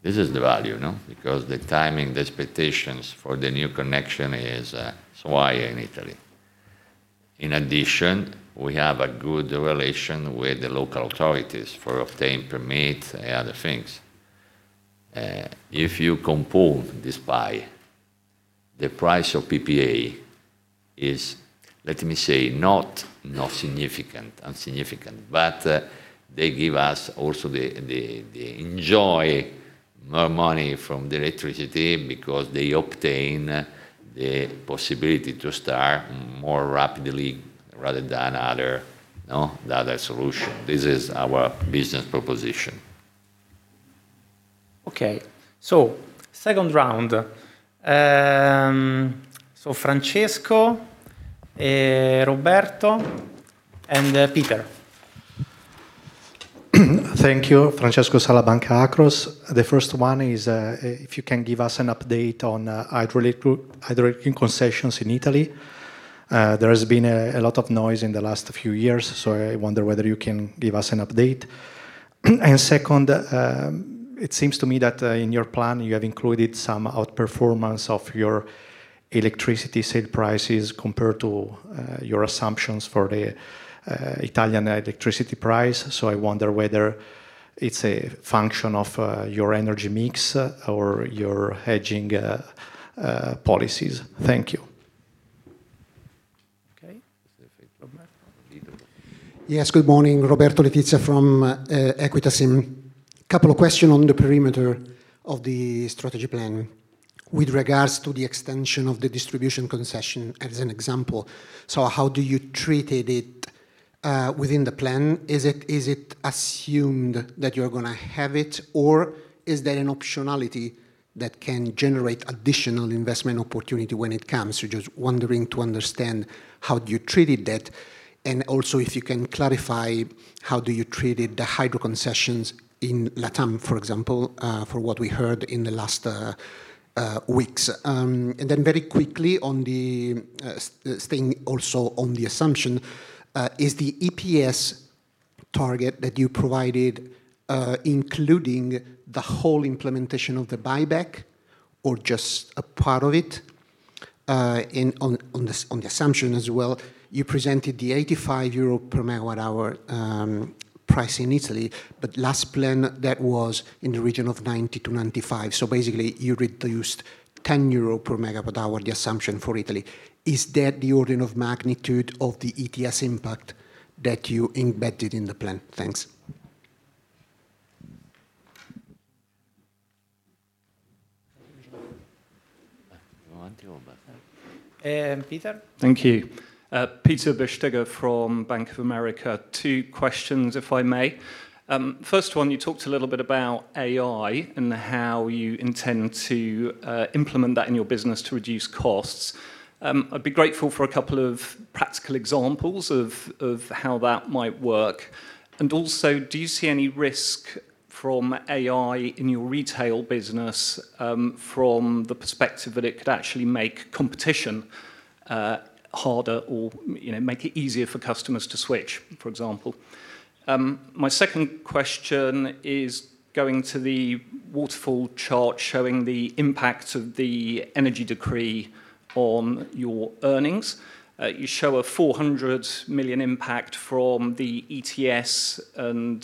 This is the value, no? The timing, the expectations for the new connection is, so why in Italy? In addition, we have a good relation with the local authorities for obtain permit and other things. If you compose this buy, the price of PPA is, let me say, not, not significant, unsignificant, but they give us also the, the, the enjoy more money from the electricity because they obtain the possibility to start more rapidly rather than other, no, the other solution. This is our business proposition. Okay, so second round. Francesco, Roberto, and Peter. Thank you. Francesco Sala, Banca Akros. The first one is, if you can give us an update on hydraulic, hydraulic concessions in Italy. There has been a, a lot of noise in the last few years. I wonder whether you can give us an update. Second, it seems to me that in your plan, you have included some outperformance of your electricity sale prices compared to your assumptions for the Italian electricity price. I wonder whether it's a function of your energy mix or your hedging policies. Thank you. Okay, there's a problem? Yes, good morning. Roberto Letizia from Equita SIM. Couple of questions on the perimeter of the strategy plan. With regards to the extension of the distribution concession as an example, how do you treated it within the plan? Is it, is it assumed that you're gonna have it, or is there an optionality that can generate additional investment opportunity when it comes? Just wondering to understand how you treated that, and also if you can clarify how do you treated the hydro concessions in LATAM, for example, for what we heard in the last weeks. Very quickly on the staying also on the assumption, is the EPS target that you provided, including the whole implementation of the buyback or just a part of it? In, on, on the, on the assumption as well, you presented the 85 euro per megawatt hour price in Italy. Last plan that was in the region of 90-95. Basically, you reduced 10 euro per megawatt hour, the assumption for Italy. Is that the order of magnitude of the ETS impact that you embedded in the plan? Thanks. Peter? Thank you. Peter Bisztyga from Bank of America. Two questions, if I may. First one, you talked a little bit about AI and how you intend to implement that in your business to reduce costs. I'd be grateful for a couple of practical examples of how that might work. Also, do you see any risk from AI in your retail business, from the perspective that it could actually make competition harder or, you know, make it easier for customers to switch, for example? My second question is going to the waterfall chart showing the impact of the Energy Decree on your earnings. You show a 400 million impact from the ETS and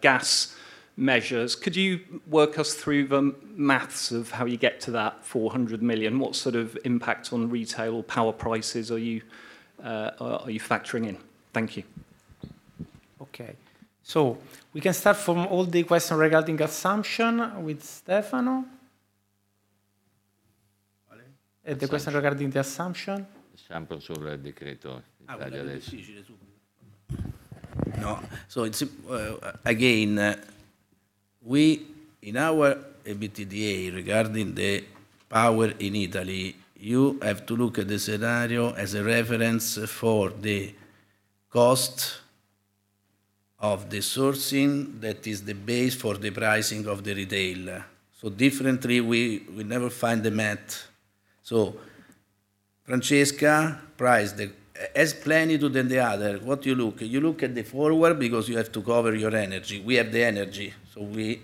gas measures. Could you work us through the math of how you get to that 400 million? What sort of impact on retail or power prices are you factoring in? Thank you. Okay. We can start from all the questions regarding assumption with Stefano. What? The question regarding the assumption. Assumption sobre Decreto... No. It's again, we, in our EBITDA regarding the power in Italy, you have to look at the scenario as a reference for the cost of the sourcing. That is the base for the pricing of the retail. Differently, we never find the math. Francesca priced the as Plenitude do than the other, what you look? You look at the forward because you have to cover your energy. We have the energy, so we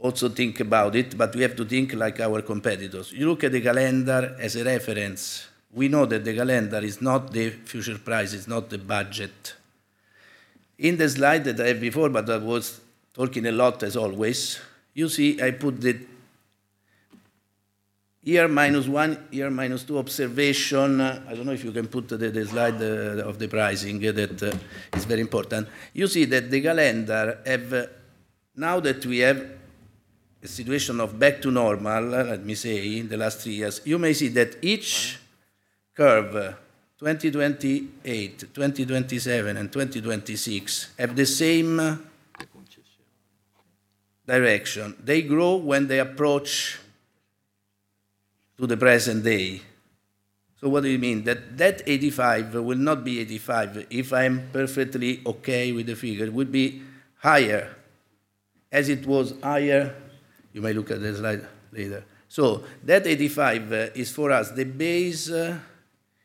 also think about it, but we have to think like our competitors. You look at the calendar as a reference. We know that the calendar is not the future price, it's not the budget. In the slide that I have before, but I was talking a lot as always, you see I put the year minus one, year minus two observation. I don't know if you can put the, the slide of the pricing that is very important. You see that the calendar have. Now that we have a situation of back to normal, let me say, in the last 3 years, you may see that each curve, 2028, 2027, and 2026, have the same direction. They grow when they approach to the present day. What do you mean? That that 85 will not be 85, if I'm perfectly okay with the figure, it would be higher, as it was higher. You may look at the slide later. That 85 is for us, the base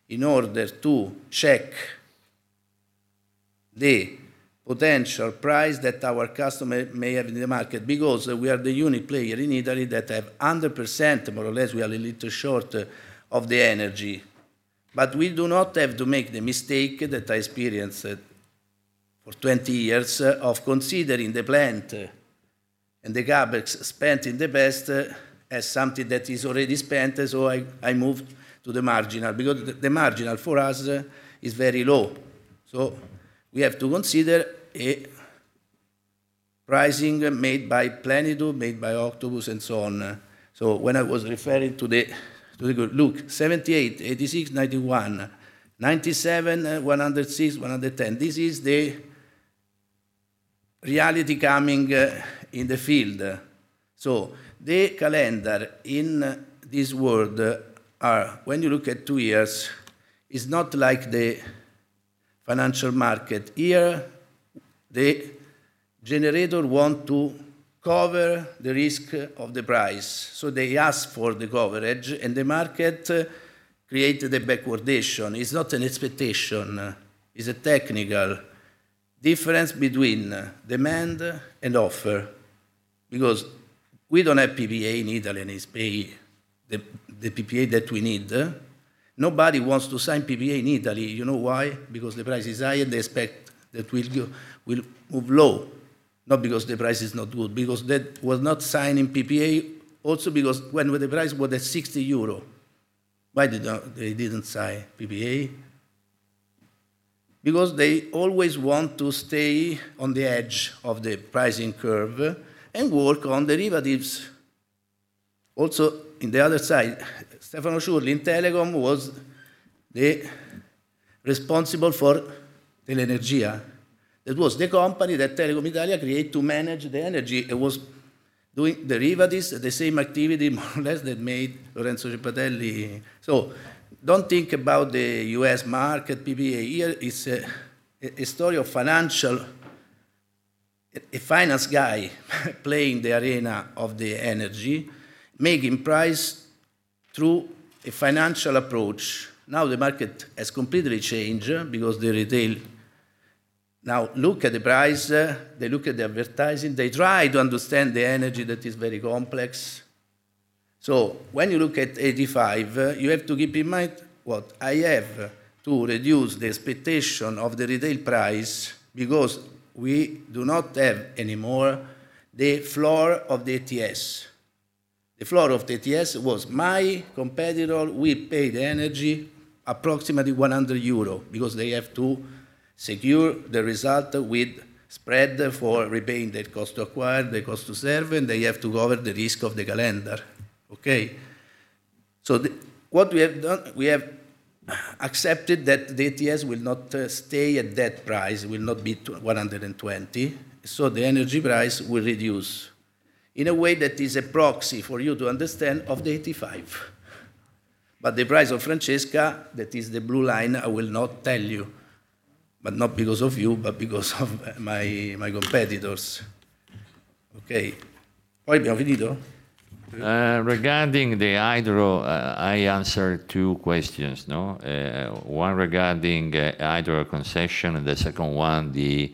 in order to check the potential price that our customer may have in the market, because we are the unique player in Italy that have 100%, more or less, we are a little short of the energy. We do not have to make the mistake that I experienced for 20 years of considering the plant and the CapEx spent in the past as something that is already spent, so I moved to the marginal, because the marginal for us is very low. We have to consider a pricing made by Plenitude, made by Octopus, and so on. When I was referring to the... Look, 78, 86, 91, 97, 106, 110. This is the reality coming in the field. The calendar in this world are, when you look at two years, is not like the financial market. Here, the generator want to cover the risk of the price, so they ask for the coverage, and the market create the backwardation. It's not an expectation, it's a technical difference between demand and offer, because we don't have PPA in Italy, and it's pay the, the PPA that we need. Nobody wants to sign PPA in Italy. You know why? Because the price is high, and they expect that we'll move low.... not because the price is not good, because that was not signed in PPA. Also, because when the price was at 60 euro, why they didn't sign PPA? Because they always want to stay on the edge of the pricing curve and work on derivatives. Also, in the other side, Stefano Ciurli in Telecom Italia was the responsible for Telenergia. That was the company that Telecom Italia create to manage the energy. It was doing derivatives, the same activity, more or less, that made Lorenzo Ceppatelli. Don't think about the U.S. market PPA. Here, it's a story of a finance guy playing the arena of the energy, making price through a financial approach. The market has completely changed because the retail now look at the price, they look at the advertising, they try to understand the energy that is very complex. When you look at 85, you have to keep in mind what? I have to reduce the expectation of the retail price because we do not have any more the floor of the ETS. The floor of the ETS was my competitor will pay the energy approximately 100 euro, because they have to secure the result with spread for repaying their cost to acquire, the cost to serve, and they have to cover the risk of the calendar, okay? The... What we have done, we have accepted that the ETS will not stay at that price, will not be to 120, so the energy price will reduce. In a way, that is a proxy for you to understand of the 85. The price of Francesca, that is the blue line, I will not tell you, but not because of you, but because of my, my competitors. Okay. Regarding the hydro, I answer two questions, no? One regarding hydro concession, the second one, the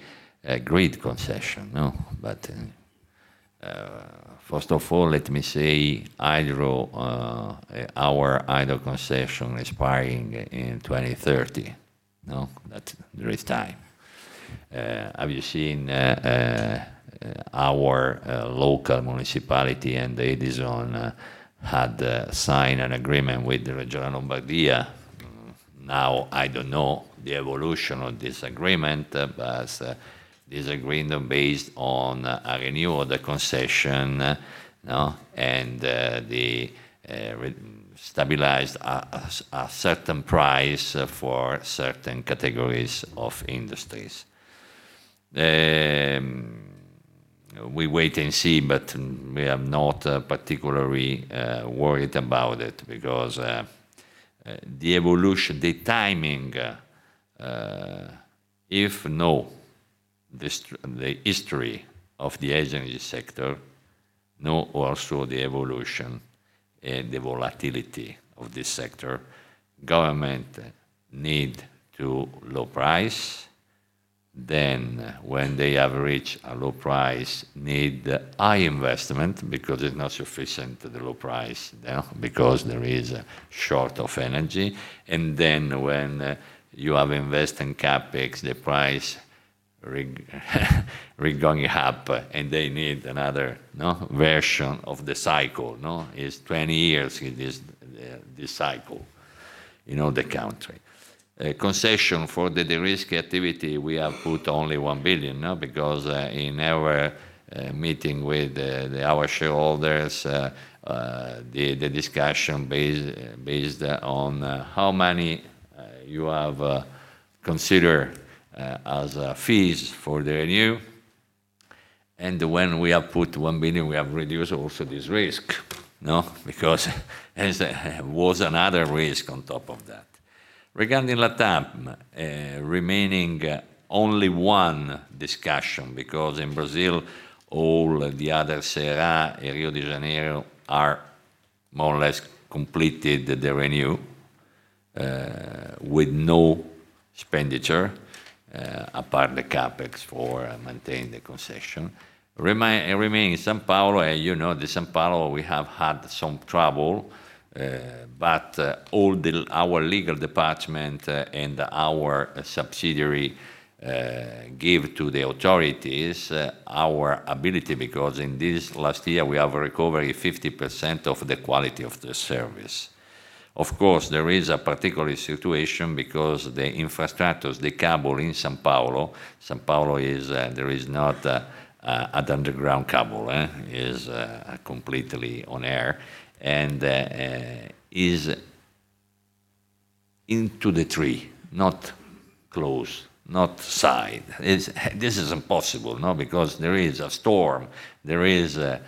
grid concession, no? First of all, let me say hydro, our hydro concession expiring in 2030, no? That there is time. Have you seen our local municipality and Edison had signed an agreement with the regional Lombardia? Now, I don't know the evolution of this agreement, but this agreement based on a renewal of the concession, no, and the stabilized a certain price for certain categories of industries. We wait and see, but we are not particularly worried about it because the evolution, the timing, if no, the history of the energy sector, know also the evolution and the volatility of this sector. Government need to low price. When they have reached a low price, need high investment because it's not sufficient, the low price, because there is a short of energy. When you have invested in CapEx, the price rig, rig going up, and they need another, no, version of the cycle, no? It's 20 years in this, this cycle, you know, the country. A concession for the de-risk activity, we have put only 1 billion, no? In our meeting with the our shareholders, the the discussion based on how many you have consider as fees for the renew. When we have put 1 billion, we have reduced also this risk, no? Because as was another risk on top of that. Regarding LATAM, remaining only 1 discussion, because in Brazil, all the other Ceará and Rio de Janeiro are more or less completed the renew, with no expenditure, apart the CapEx for maintaining the concession. Remaining São Paulo, you know, the São Paulo, we have had some trouble, but all the our legal department and our subsidiary give to the authorities our ability, because in this last year, we have recovered 50% of the quality of the service. Of course, there is a particular situation because the infrastructures, the cable in São Paulo, São Paulo is, there is not a, an underground cable, is completely on air and is into the tree, not close, not side. This is impossible, no? There is a storm, there is a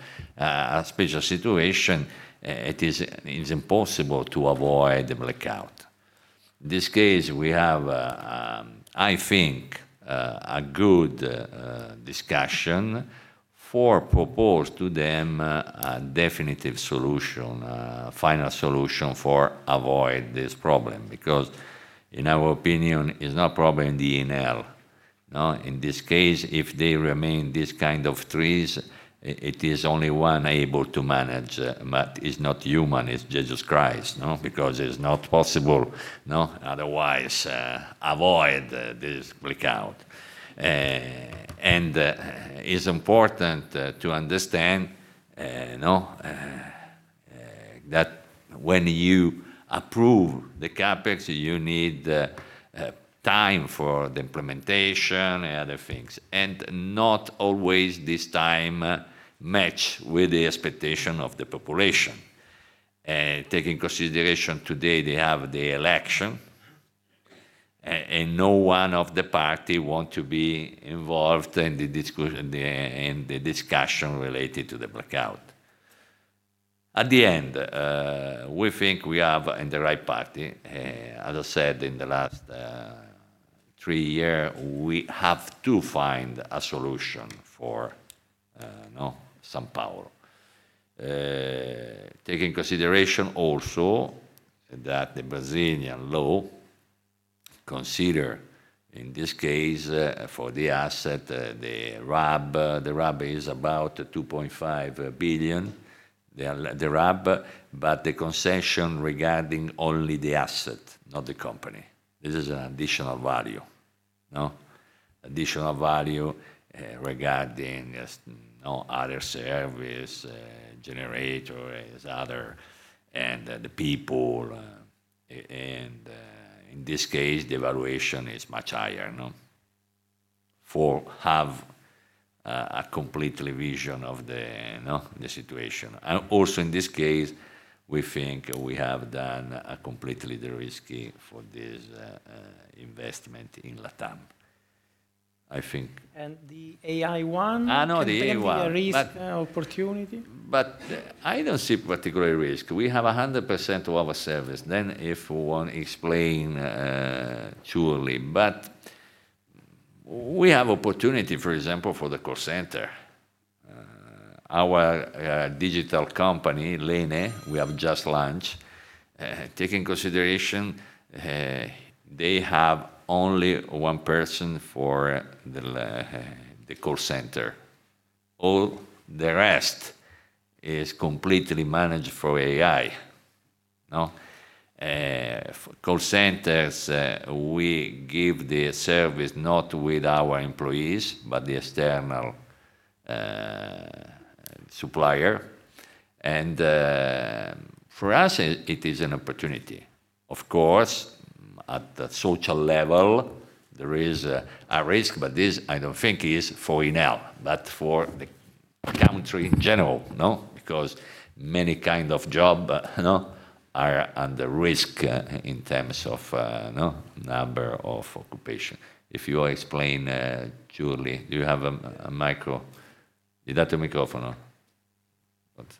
special situation, it is, it's impossible to avoid the blackout. This case, we have, I think, a good discussion for propose to them a definitive solution, a final solution for avoid this problem, because in our opinion, it's not a problem in the Enel, no? In this case, if they remain this kind of trees, it is only one able to manage, but it's not human, it's Jesus Christ, no? It's not possible, no, otherwise, avoid this blackout. And it's important to understand, no, that when you approve the CapEx, you need time for the implementation and other things, and not always this time match with the expectation of the population. Take in consideration today, they have the election, and no one of the party want to be involved in the discussion related to the blackout. At the end, we think we are in the right party. As I said, in the last 3 year, we have to find a solution for, you know, São Paulo. Take in consideration also that the Brazilian law consider, in this case, for the asset, the RAB. The RAB is about 2.5 billion, the RAB, but the concession regarding only the asset, not the company. This is an additional value, no? Additional value, regarding, as, you know, other service, generator, as other, and the people, in this case, the valuation is much higher, no? For have a completely vision of the, you know, the situation. Also, in this case, we think we have done a completely de-risking for this investment in LATAM, I think. The AI 1? Ah, no, the AI one. There will be a risk, opportunity? I don't see particular risk. We have 100% of our service. If we want explain, truly. We have opportunity, for example, for the call center. Our digital company, LENE, we have just launched, take in consideration, they have only one person for the call center. All the rest is completely managed for AI, no? Call centers, we give the service not with our employees, but the external supplier. For us, it is an opportunity. Of course, at the social level, there is a risk, this I don't think is for Enel, but for the country in general, no? Many kind of job, you know, are under risk in terms of, you know, number of occupation. If you explain, truly, do you have a, a micro? You got a microphone? Thank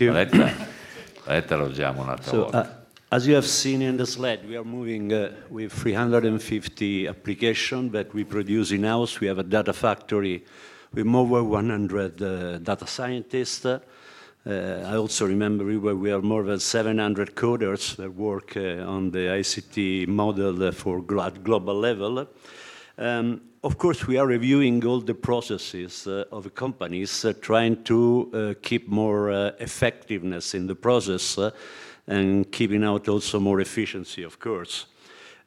you. As you have seen in the slide, we are moving with 350 application that we produce in-house. We have a data factory with more than 100 data scientists. I also remember we, we have more than 700 coders that work on the ICT model for global level. Of course, we are reviewing all the processes of the companies, trying to keep more effectiveness in the process and keeping out also more efficiency, of course.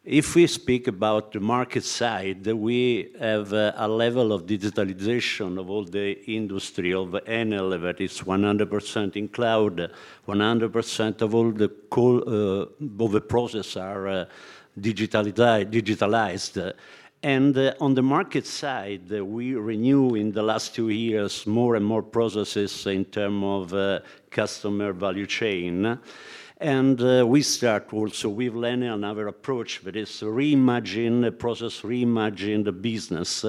If we speak about the market side, we have a level of digitalization of all the industry, of Enel, that is 100% in cloud. 100% of all the call of the process are digitalized. On the market side, we renew in the last 2 years, more and more processes in terms of customer value chain. We start also with learning another approach, that is reimagine the process, reimagine the business.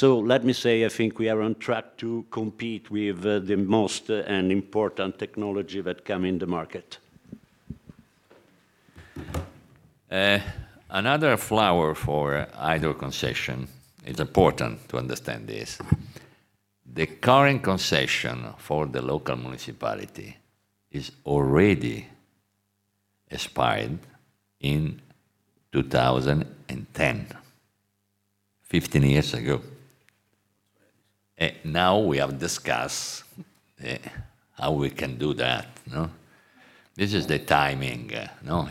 Let me say, I think we are on track to compete with the most and important technology that come in the market. Another flower for hydro concession, it's important to understand this. The current concession for the local municipality is already expired in 2010, 15 years ago. Now, we have discussed how we can do that, no? This is the timing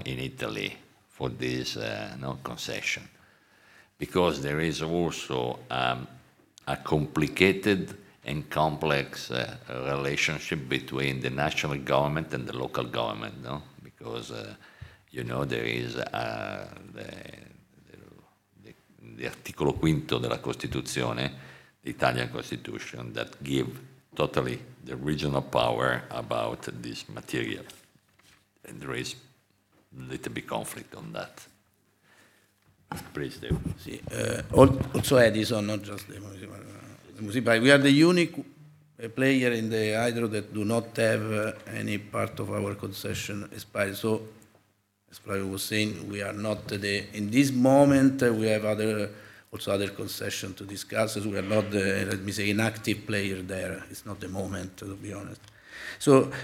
in Italy for this no concession. There is also a complicated and complex relationship between the national government and the local government, no? You know, there is the Articolo 5 della Costituzione, the Italian Constitution, that give totally the regional power about this material, and there is little bit conflict on that. Please, stay... Add this, not just the. We are the unique player in the hydro that do not have any part of our concession expired. As Flavio was saying, we are not, in this moment, we have other, also other concession to discuss. We are not, let me say, inactive player there. It's not the moment, to be honest.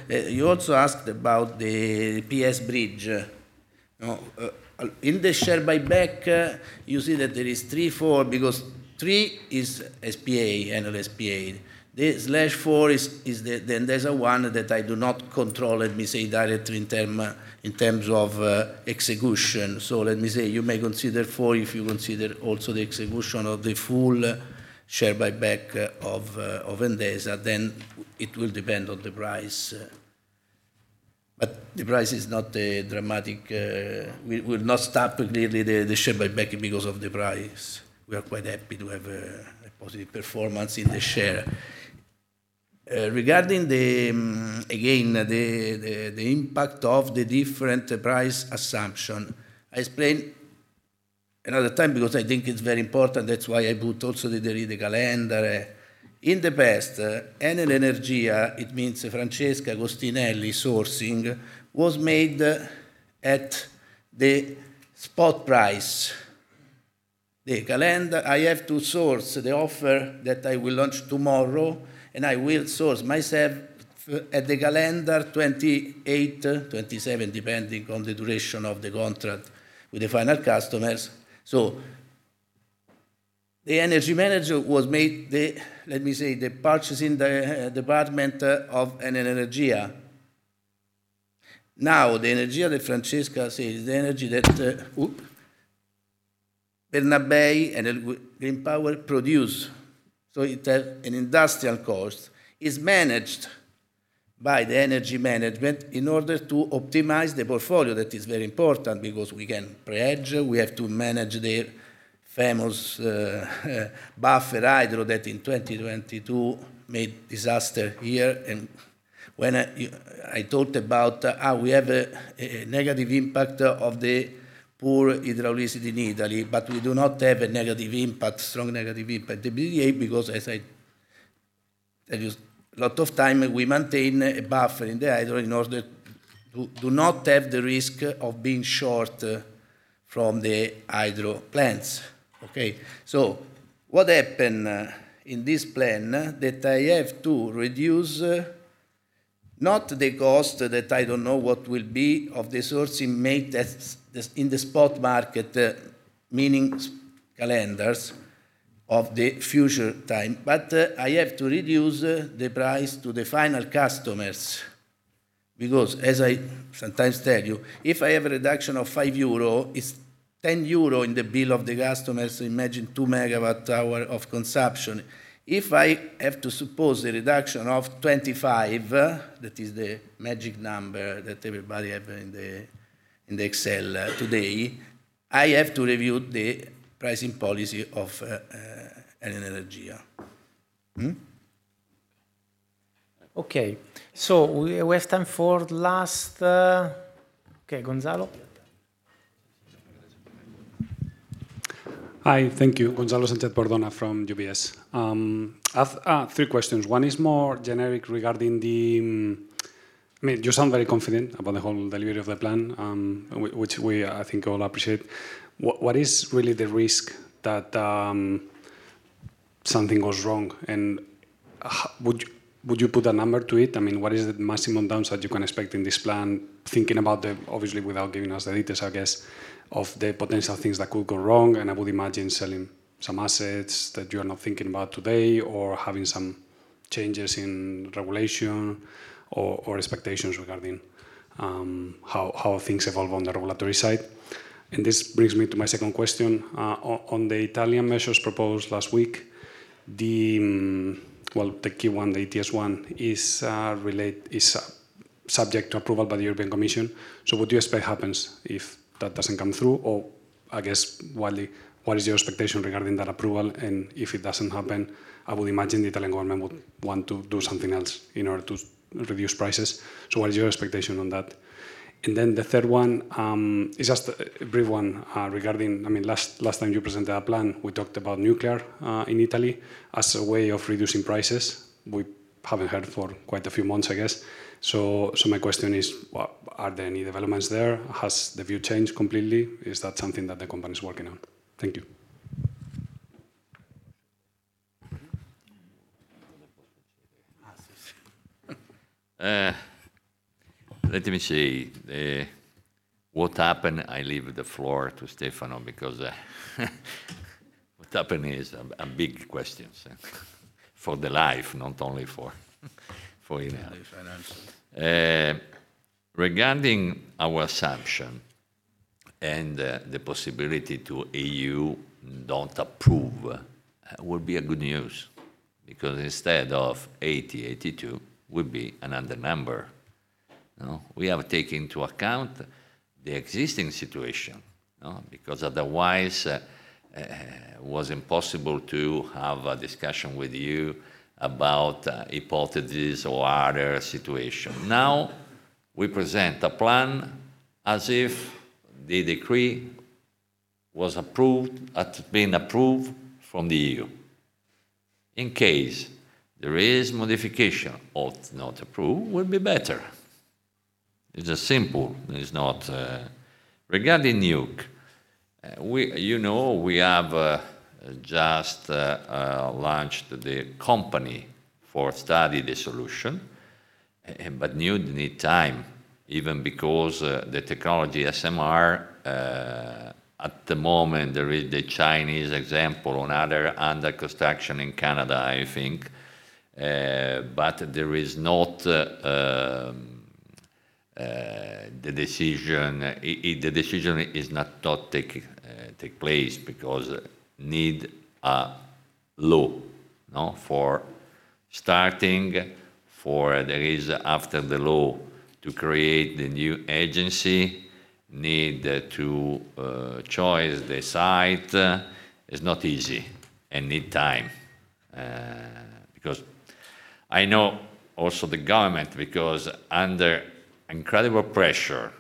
You also asked about the PS bridge. In the share buyback, you see that there is 3, 4, because 3 is SPA, Enel S.p.A. The slash 4 is, Enel is a one that I do not control, let me say, directly in terms of execution. Let me say, you may consider 4, if you consider also the execution of the full share buyback of Enel, then it will depend on the price. The price is not dramatic. We'll not stop, clearly, the share buyback because of the price. We are quite happy to have a positive performance in the share. Regarding the impact of the different price assumption, I explain another time because I think it's very important. That's why I put also the read calendar. In the past, Enel Energia, it means Francesca Agostinelli sourcing, was made at the spot price. The calendar, I have to source the offer that I will launch tomorrow, and I will source myself at the calendar 28, 27, depending on the duration of the contract with the final customers. The energy manager was made the, let me say, the purchasing department of Enel Energia. The Energia de Francesca is the energy that, oops, Bernabei and Enel Green Power produce. It has an industrial cost, is managed by the Energy Management in order to optimize the portfolio. That is very important because we can pre-hedge, we have to manage the famous buffer hydro that in 2022 made disaster here. When I, you, I talked about how we have a negative impact of the poor hydroelectricity in Italy, we do not have a negative impact, strong negative impact, EBITDA, because as I tell you, a lot of time, we maintain a buffer in the hydro in order to not have the risk of being short from the hydro plants. Okay, what happened in this plan that I have to reduce not the cost that I don't know what will be of the sourcing made that's the in the spot market, meaning calendars of the future time, but I have to reduce the price to the final customers. As I sometimes tell you, if I have a reduction of 5 euro, it's 10 euro in the bill of the customers, imagine 2 megawatt hour of consumption. If I have to suppose a reduction of 25, that is the magic number that everybody have in the in the Excel today, I have to review the pricing policy of Enel Energia. Mm-hmm? Okay. We, we have time for last. Okay, Gonzalo? Hi. Thank you. Gonzalo Sanchez-Bordona from UBS. I've 3 questions. One is more generic regarding the... I mean, you sound very confident about the whole delivery of the plan, which, which we, I think, all appreciate. What, what is really the risk that something goes wrong? How-- would, would you put a number to it? I mean, what is the maximum downside you can expect in this plan? Thinking about the, obviously, without giving us the details, I guess, of the potential things that could go wrong, and I would imagine selling some assets that you are not thinking about today, or having some changes in regulation or, or expectations regarding, how, how things evolve on the regulatory side. This brings me to my second question. On, on the Italian measures proposed last week, the... Well, the key one, the ETS one, is subject to approval by the European Commission. What do you expect happens if that doesn't come through? I guess, what is your expectation regarding that approval? If it doesn't happen, I would imagine the Italian government would want to do something else in order to reduce prices. What is your expectation on that? Then the third one is just a brief one regarding... I mean, last, last time you presented a plan, we talked about nuclear in Italy as a way of reducing prices. We haven't heard for quite a few months, I guess. So, so my question is, are there any developments there? Has the view changed completely? Is that something that the company is working on? Thank you. Let me see. What happened, I leave the floor to Stefano because what happened is a big question, so for the life, not only for Enel. The finances. Regarding our assumption and the possibility to EU don't approve, would be a good news because instead of 80, 82, would be another number. You know, we have taken into account the existing situation, because otherwise, it was impossible to have a discussion with you about hypotheses or other situation. Now, we present a plan as if the decree was approved, been approved from the EU. In case there is modification or it's not approved, would be better. It's a simple, it's not. Regarding nuke, we, you know, we have just launched the company for study the solution, but nuke need time, even because the technology SMR, at the moment, there is the Chinese example on other under construction in Canada, I think. There is not the decision is not, not take place because need law, no? For starting, for there is after the law to create the new agency, need to choice the site. It's not easy and need time. I know also the government, because under incredible pressure,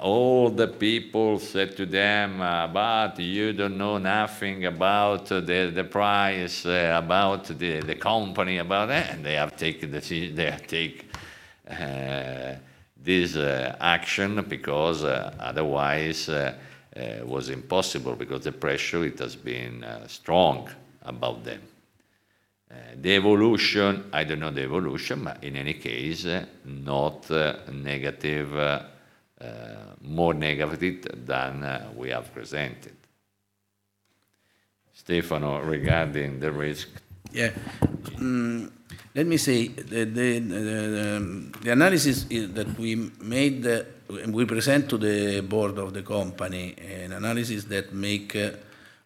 all the people said to them, "But you don't know nothing about the, the price, about the, the company, about that," and they have taken the de- they have take this action because otherwise was impossible because the pressure, it has been strong about them. The evolution, I don't know the evolution, but in any case, not negative, more negative than we have presented. Stefano, regarding the risk? Yeah. Let me say, the analysis that we made, we present to the board of the company, an analysis that make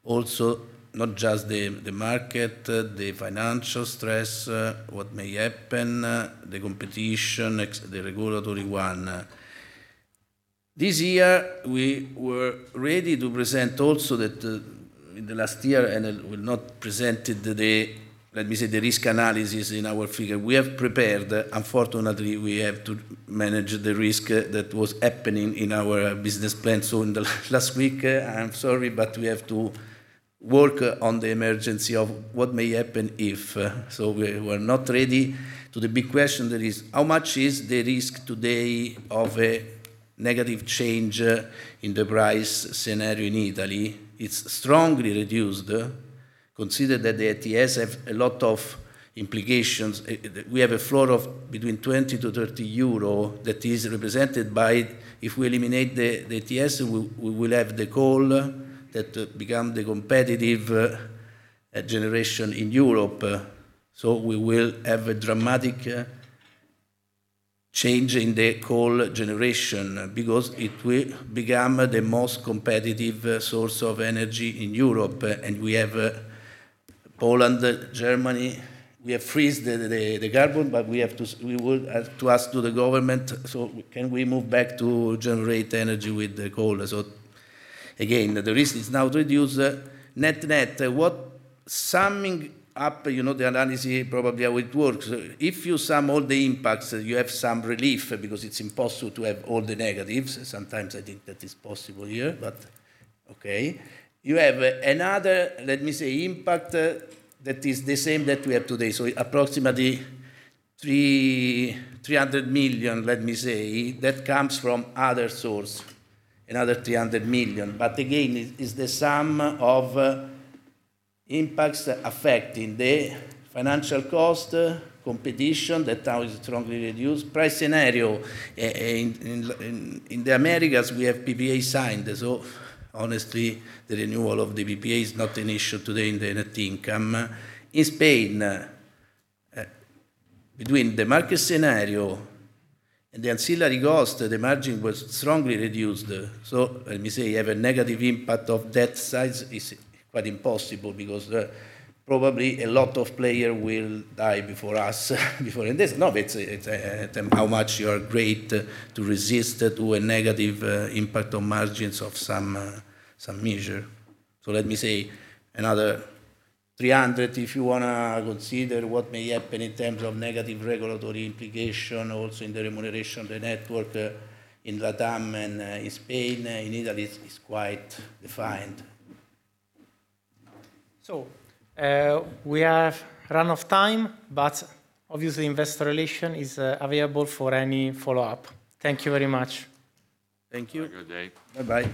also not just the market, the financial stress, what may happen, the competition, the regulatory one. This year, we were ready to present also that, in the last year, we not presented the, let me say, the risk analysis in our figure. We have prepared, unfortunately, we have to manage the risk that was happening in our business plan. In the last week, I am sorry, we have to work on the emergency of what may happen if... we, we're not ready. To the big question that is: How much is the risk today of a negative change in the price scenario in Italy? It's strongly reduced, consider that the ETS have a lot of implications. We have a floor of between 20 to 30 euro that is represented by, if we eliminate the ETS, we will have the coal that become the competitive generation in Europe. We will have a dramatic change in the coal generation because it will become the most competitive source of energy in Europe, we have Poland, Germany... We have freeze the carbon, we have to, we would have to ask to the government, "Can we move back to generate energy with the coal?" Again, the risk is now reduced. Net-net, summing up, you know, the analysis, probably how it works, if you sum all the impacts, you have some relief because it's impossible to have all the negatives. Sometimes I think that is possible here. Okay. You have another, let me say, impact that is the same that we have today. Approximately 300 million, let me say, that comes from other source, another 300 million. Again, it is the sum of impacts affecting the financial cost, competition, that now is strongly reduced. Price scenario in the Americas, we have PPA signed. Honestly, the renewal of the PPA is not an issue today in the net income. In Spain, between the market scenario and the ancillary cost, the margin was strongly reduced. Let me say, you have a negative impact of that size is quite impossible because probably a lot of player will die before us, before this. No, it's how much you are great to resist to a negative impact on margins of some, some measure. Let me say another 300, if you wanna consider what may happen in terms of negative regulatory implication, also in the remuneration, the network, in LATAM and in Spain, in Italy is, is quite defined. We have run of time, but obviously, Investor Relations is available for any follow-up. Thank you very much. Thank you. Have a good day. Bye-bye.